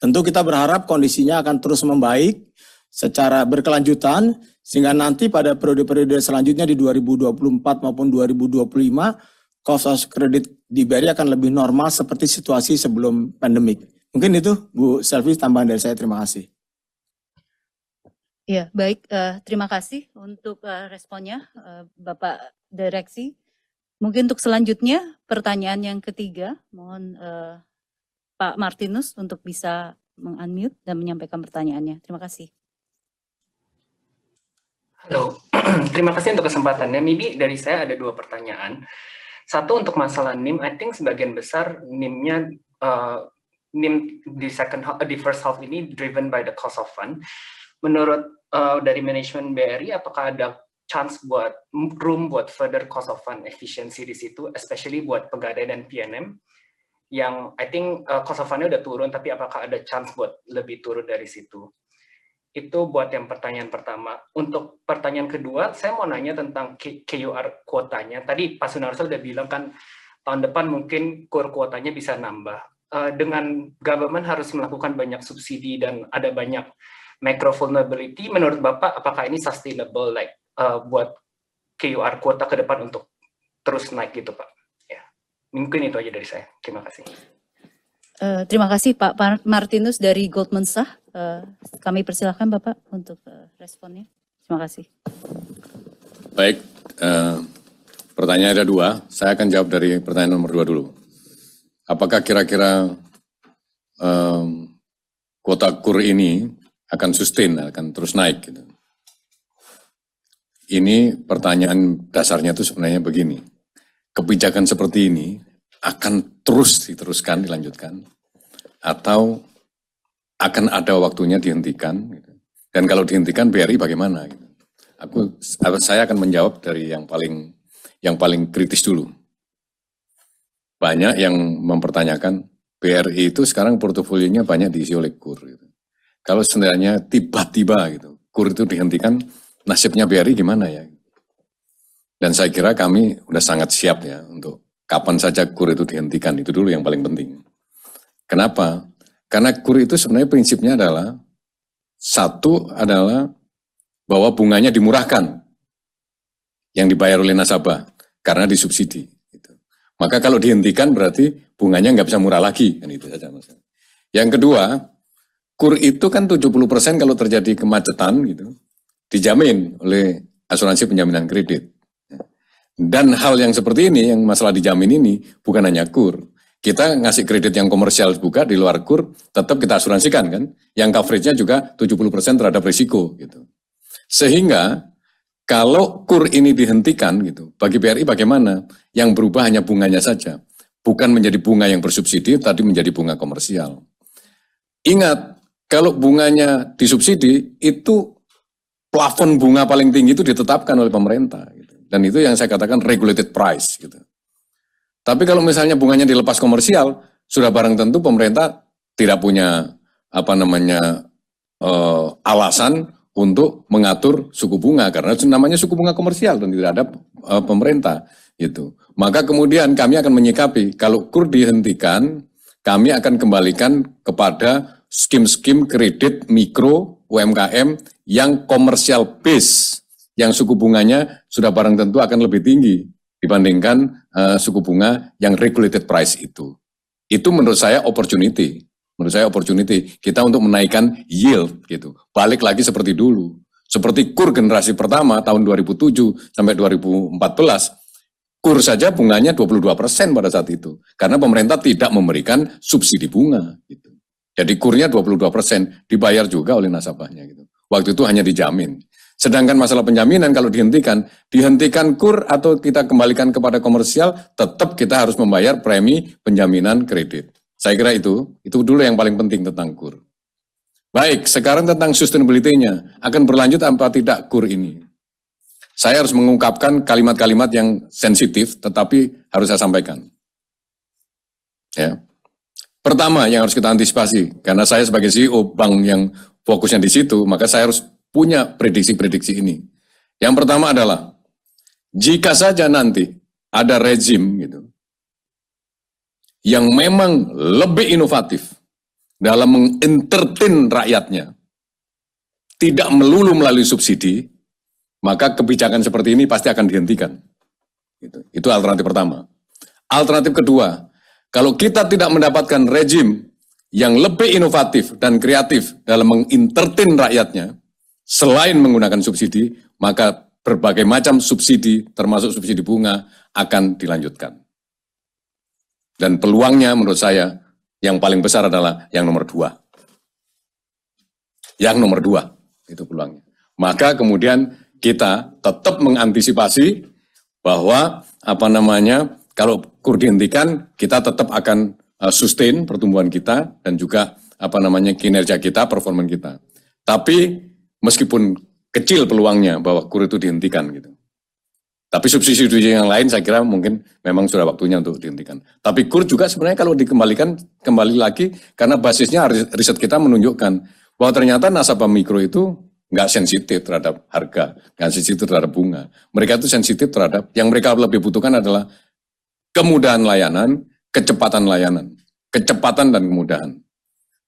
Tentu kita berharap kondisinya akan terus membaik secara berkelanjutan sehingga nanti pada periode-periode selanjutnya di 2024 maupun 2025 cost of credit di BRI akan lebih normal seperti situasi sebelum pandemi. Mungkin itu Bu Selvi tambahan dari saya. Terima kasih. Ya, baik, terima kasih untuk responnya, Bapak Direksi. Mungkin untuk selanjutnya, pertanyaan yang ketiga, mohon Pak Martinus untuk bisa meng-unmute dan menyampaikan pertanyaannya. Terima kasih. Halo, terima kasih untuk kesempatannya. Maybe dari saya ada dua pertanyaan. Satu untuk masalah NIM. I think sebagian besar NIM-nya di second half, di first half ini driven by the cost of fund. Menurut dari manajemen BRI apakah ada chance buat room buat further cost of fund efficiency di situ especially buat Pegadaian dan PNM yang I think cost of fundnya udah turun tapi apakah ada chance buat lebih turun dari situ? Itu buat yang pertanyaan pertama. Untuk pertanyaan kedua saya mau nanya tentang KUR kuotanya tadi Pak Sunarso sudah bilang kan tahun depan mungkin KUR kuotanya bisa nambah. Dengan government harus melakukan banyak subsidi dan ada banyak macro vulnerability menurut Bapak apakah ini sustainable like buat KUR kuota ke depan untuk terus naik gitu Pak? Ya mungkin itu aja dari saya. Terima kasih. Terima kasih Pak Martinus dari Goldman Sachs. Kami persilakan Bapak untuk responsnya. Terima kasih. Baik, pertanyaan ada dua. Saya akan jawab dari pertanyaan nomor 2 dulu. Apakah kira-kira kuota KUR ini akan sustain akan terus naik? Ini pertanyaan dasarnya itu sebenarnya begini, kebijakan seperti ini akan terus diteruskan dilanjutkan atau akan ada waktunya dihentikan dan kalau dihentikan BRI bagaimana? Saya akan menjawab dari yang paling kritis dulu. Banyak yang mempertanyakan BRI itu sekarang portofolionya banyak diisi oleh KUR. Kalau seandainya tiba-tiba gitu KUR itu dihentikan nasibnya BRI di mana ya? Saya kira kami sudah sangat siap ya untuk kapan saja KUR itu dihentikan itu dulu yang paling penting. Kenapa? Karena KUR itu sebenarnya prinsipnya adalah satu adalah bahwa bunganya dimurahkan yang dibayar oleh nasabah karena disubsidi. Maka kalau dihentikan berarti bunganya nggak bisa murah lagi kan itu saja maksudnya. Yang kedua KUR itu kan 70% kalau terjadi kemacetan gitu dijamin oleh asuransi penjaminan kredit. Hal yang seperti ini yang masalah dijamin ini bukan hanya KUR. Kita ngasih kredit yang komersial, bukan di luar KUR tetap kita asuransikan kan yang coveragenya juga 70% terhadap risiko gitu. Sehingga kalau KUR ini dihentikan gitu bagi BRI bagaimana? Yang berubah hanya bunganya saja bukan menjadi bunga yang bersubsidi tapi menjadi bunga komersial. Ingat kalau bunganya disubsidi itu plafon bunga paling tinggi itu ditetapkan oleh pemerintah dan itu yang saya katakan regulated price gitu. Tapi kalau misalnya bunganya dilepas komersial sudah barang tentu pemerintah tidak punya apa namanya alasan untuk mengatur suku bunga karena namanya suku bunga komersial terhadap pemerintah gitu. Maka kemudian kami akan menyikapi kalau KUR dihentikan kami akan kembalikan kepada scheme-scheme kredit mikro UMKM yang commercial based yang suku bunganya sudah barang tentu akan lebih tinggi dibandingkan suku bunga yang regulated price itu. Itu menurut saya opportunity. Menurut saya opportunity kita untuk menaikkan yield gitu. Balik lagi seperti dulu seperti KUR generasi pertama tahun 2007 sampai 2014 KUR saja bunganya 22% pada saat itu karena pemerintah tidak memberikan subsidi bunga gitu. Jadi KURnya 22% dibayar juga oleh nasabahnya gitu. Waktu itu hanya dijamin. Sedangkan masalah penjaminan kalau dihentikan KUR atau kita kembalikan kepada komersial tetap kita harus membayar premi penjaminan kredit. Saya kira itu dulu yang paling penting tentang KUR. Baik sekarang tentang sustainabilitynya akan berlanjut apa tidak KUR ini. Saya harus mengungkapkan kalimat-kalimat yang sensitif tetapi harus saya sampaikan. Pertama yang harus kita antisipasi karena saya sebagai CEO bank yang fokusnya di situ maka saya harus punya prediksi-prediksi ini. Yang pertama adalah jika saja nanti ada rezim yang memang lebih inovatif dalam meng-entertain rakyatnya tidak melulu melalui subsidi maka kebijakan seperti ini pasti akan dihentikan. Itu alternatif pertama. Alternatif kedua, kalau kita tidak mendapatkan rezim yang lebih inovatif dan kreatif dalam meng-entertain rakyatnya selain menggunakan subsidi, maka berbagai macam subsidi termasuk subsidi bunga akan dilanjutkan. Peluangnya menurut saya yang paling besar adalah yang nomor dua itu peluangnya. Maka kemudian kita tetap mengantisipasi bahwa apa namanya, kalau KUR dihentikan kita tetap akan sustain pertumbuhan kita dan juga apa namanya kinerja kita, performa kita. Tapi meskipun kecil peluangnya bahwa KUR itu dihentikan gitu. Tapi subsidi yang lain saya kira mungkin memang sudah waktunya untuk dihentikan. Tapi KUR juga sebenarnya kalau dikembalikan kembali lagi karena basisnya riset kita menunjukkan bahwa ternyata nasabah mikro itu nggak sensitif terhadap harga, nggak sensitif terhadap bunga. Mereka itu sensitif terhadap yang mereka lebih butuhkan adalah kemudahan layanan, kecepatan layanan, kecepatan dan kemudahan.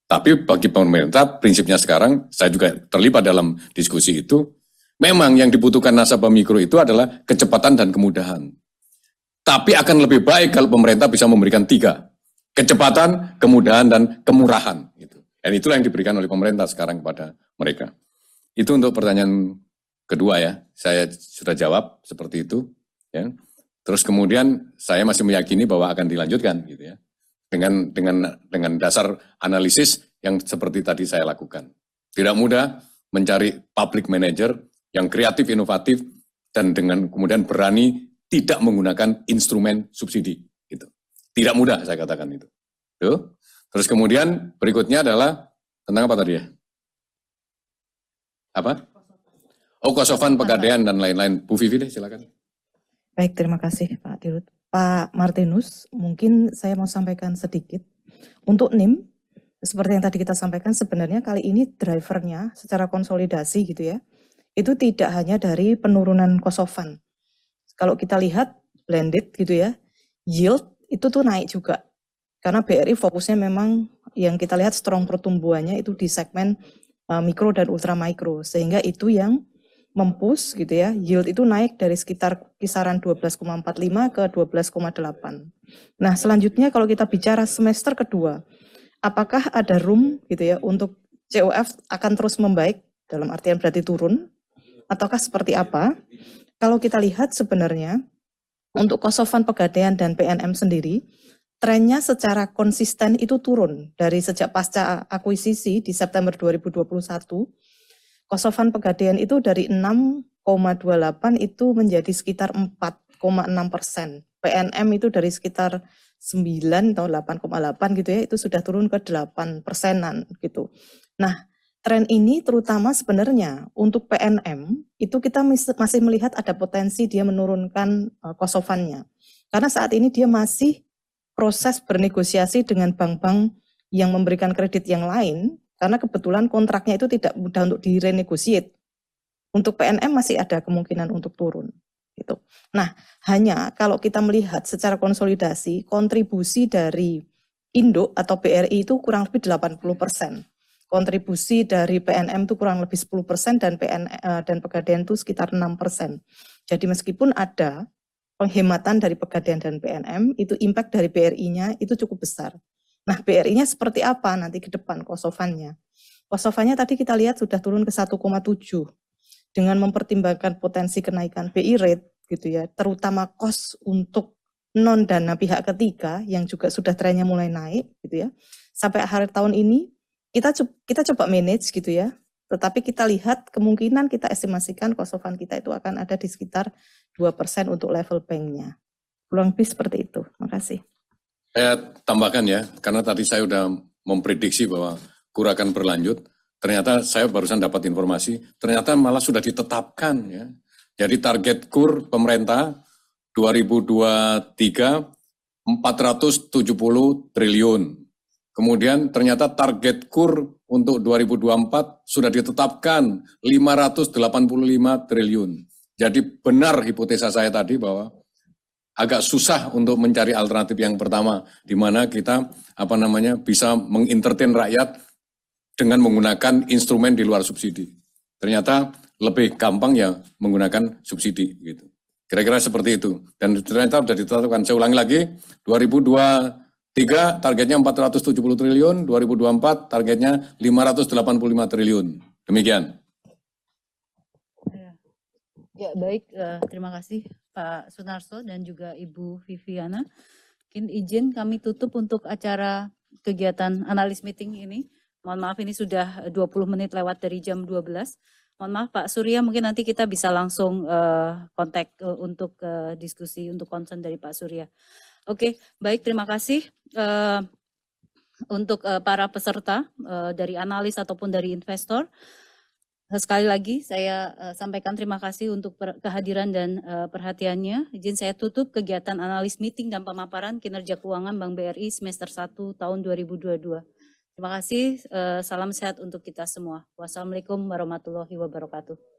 Bagi pemerintah prinsipnya sekarang saya juga terlibat dalam diskusi itu memang yang dibutuhkan nasabah mikro itu adalah kecepatan dan kemudahan. Akan lebih baik kalau pemerintah bisa memberikan tiga kecepatan, kemudahan, dan kemurahan gitu. Itulah yang diberikan oleh pemerintah sekarang kepada mereka. Itu untuk pertanyaan kedua ya. Saya sudah jawab seperti itu ya. Kemudian saya masih meyakini bahwa akan dilanjutkan gitu ya dengan dasar analisis yang seperti tadi saya lakukan. Tidak mudah mencari public manager yang kreatif inovatif dan kemudian berani tidak menggunakan instrumen subsidi gitu. Tidak mudah saya katakan itu. Kemudian berikutnya adalah tentang apa tadi ya? Apa? Oh cost of funds Pegadaian dan lain-lain. Bu Vivi deh silakan. Baik terima kasih Pak Dirut. Pak Martinus mungkin saya mau sampaikan sedikit untuk NIM seperti yang tadi kita sampaikan sebenarnya kali ini drivernya secara konsolidasi gitu ya itu tidak hanya dari penurunan cost of fund. Kalau kita lihat blended gitu ya yield itu tuh naik juga karena BRI fokusnya memang yang kita lihat strong pertumbuhannya itu di segmen mikro dan ultra mikro sehingga itu yang mem-push gitu ya yield itu naik dari sekitar kisaran 12.45 ke 12.8. Nah selanjutnya kalau kita bicara semester kedua apakah ada room gitu ya untuk COF akan terus membaik dalam artian berarti turun ataukah seperti apa? Kalau kita lihat sebenarnya untuk cost of fund Pegadaian dan PNM sendiri trennya secara konsisten itu turun dari sejak pasca akuisisi di September 2021 cost of fund Pegadaian itu dari 6.28 itu menjadi sekitar 4.6%. PNM itu dari sekitar 9 atau 8.8 gitu ya itu sudah turun ke 8% gitu. Tren ini terutama sebenarnya untuk PNM itu kita masih melihat ada potensi dia menurunkan cost of fund-nya. Karena saat ini dia masih proses bernegosiasi dengan bank-bank yang memberikan kredit yang lain karena kebetulan kontraknya itu tidak mudah untuk di-renegotiate. Untuk PNM masih ada kemungkinan untuk turun gitu. Hanya kalau kita melihat secara konsolidasi kontribusi dari induk atau BRI itu kurang lebih 80%. Kontribusi dari PNM itu kurang lebih 10% dan Pegadaian itu sekitar 6%. Jadi meskipun ada penghematan dari Pegadaian dan PNM itu impact dari BRI-nya itu cukup besar. BRI-nya seperti apa nanti ke depan cost of fund-nya? Cost of fund-nya tadi kita lihat sudah turun ke 1.7 dengan mempertimbangkan potensi kenaikan BI Rate gitu ya terutama cost untuk non dana pihak ketiga yang juga sudah trennya mulai naik gitu ya. Sampai akhir tahun ini kita coba manage gitu ya. Tetapi kita lihat kemungkinan kita estimasikan cost of fund kita itu akan ada di sekitar 2% untuk level bank-nya. Kurang lebih seperti itu. Makasih. Saya tambahkan ya karena tadi saya sudah memprediksi bahwa KUR akan berlanjut. Ternyata saya barusan dapat informasi ternyata malah sudah ditetapkan ya. Target KUR pemerintah 2023 IDR 470 triliun. Ternyata target KUR untuk 2024 sudah ditetapkan 585 triliun. Benar hipotesa saya tadi bahwa agak susah untuk mencari alternatif yang pertama di mana kita apa namanya bisa meng-entertain rakyat dengan menggunakan instrumen di luar subsidi. Ternyata lebih gampang ya menggunakan subsidi gitu. Kira-kira seperti itu. Ternyata sudah ditentukan. Saya ulangi lagi 2023 targetnya 470 triliun, 2024 targetnya 585 triliun. Demikian. Ya, baik. Terima kasih, Pak Sunarso dan juga Ibu Viviana. Izin kami tutup untuk acara kegiatan analyst meeting ini. Mohon maaf, ini sudah 20 menit lewat dari jam 12. Mohon maaf, Pak Surya, mungkin nanti kita bisa langsung kontak untuk diskusi untuk concern dari Pak Surya. Oke, baik. Terima kasih untuk para peserta dari analis ataupun dari investor. Sekali lagi saya sampaikan terima kasih untuk kehadiran dan perhatiannya. Izin saya tutup kegiatan analyst meeting dan pemaparan kinerja keuangan Bank BRI semester satu tahun 2022. Terima kasih. Salam sehat untuk kita semua. Wassalamualaikum warahmatullahi wabarakatuh.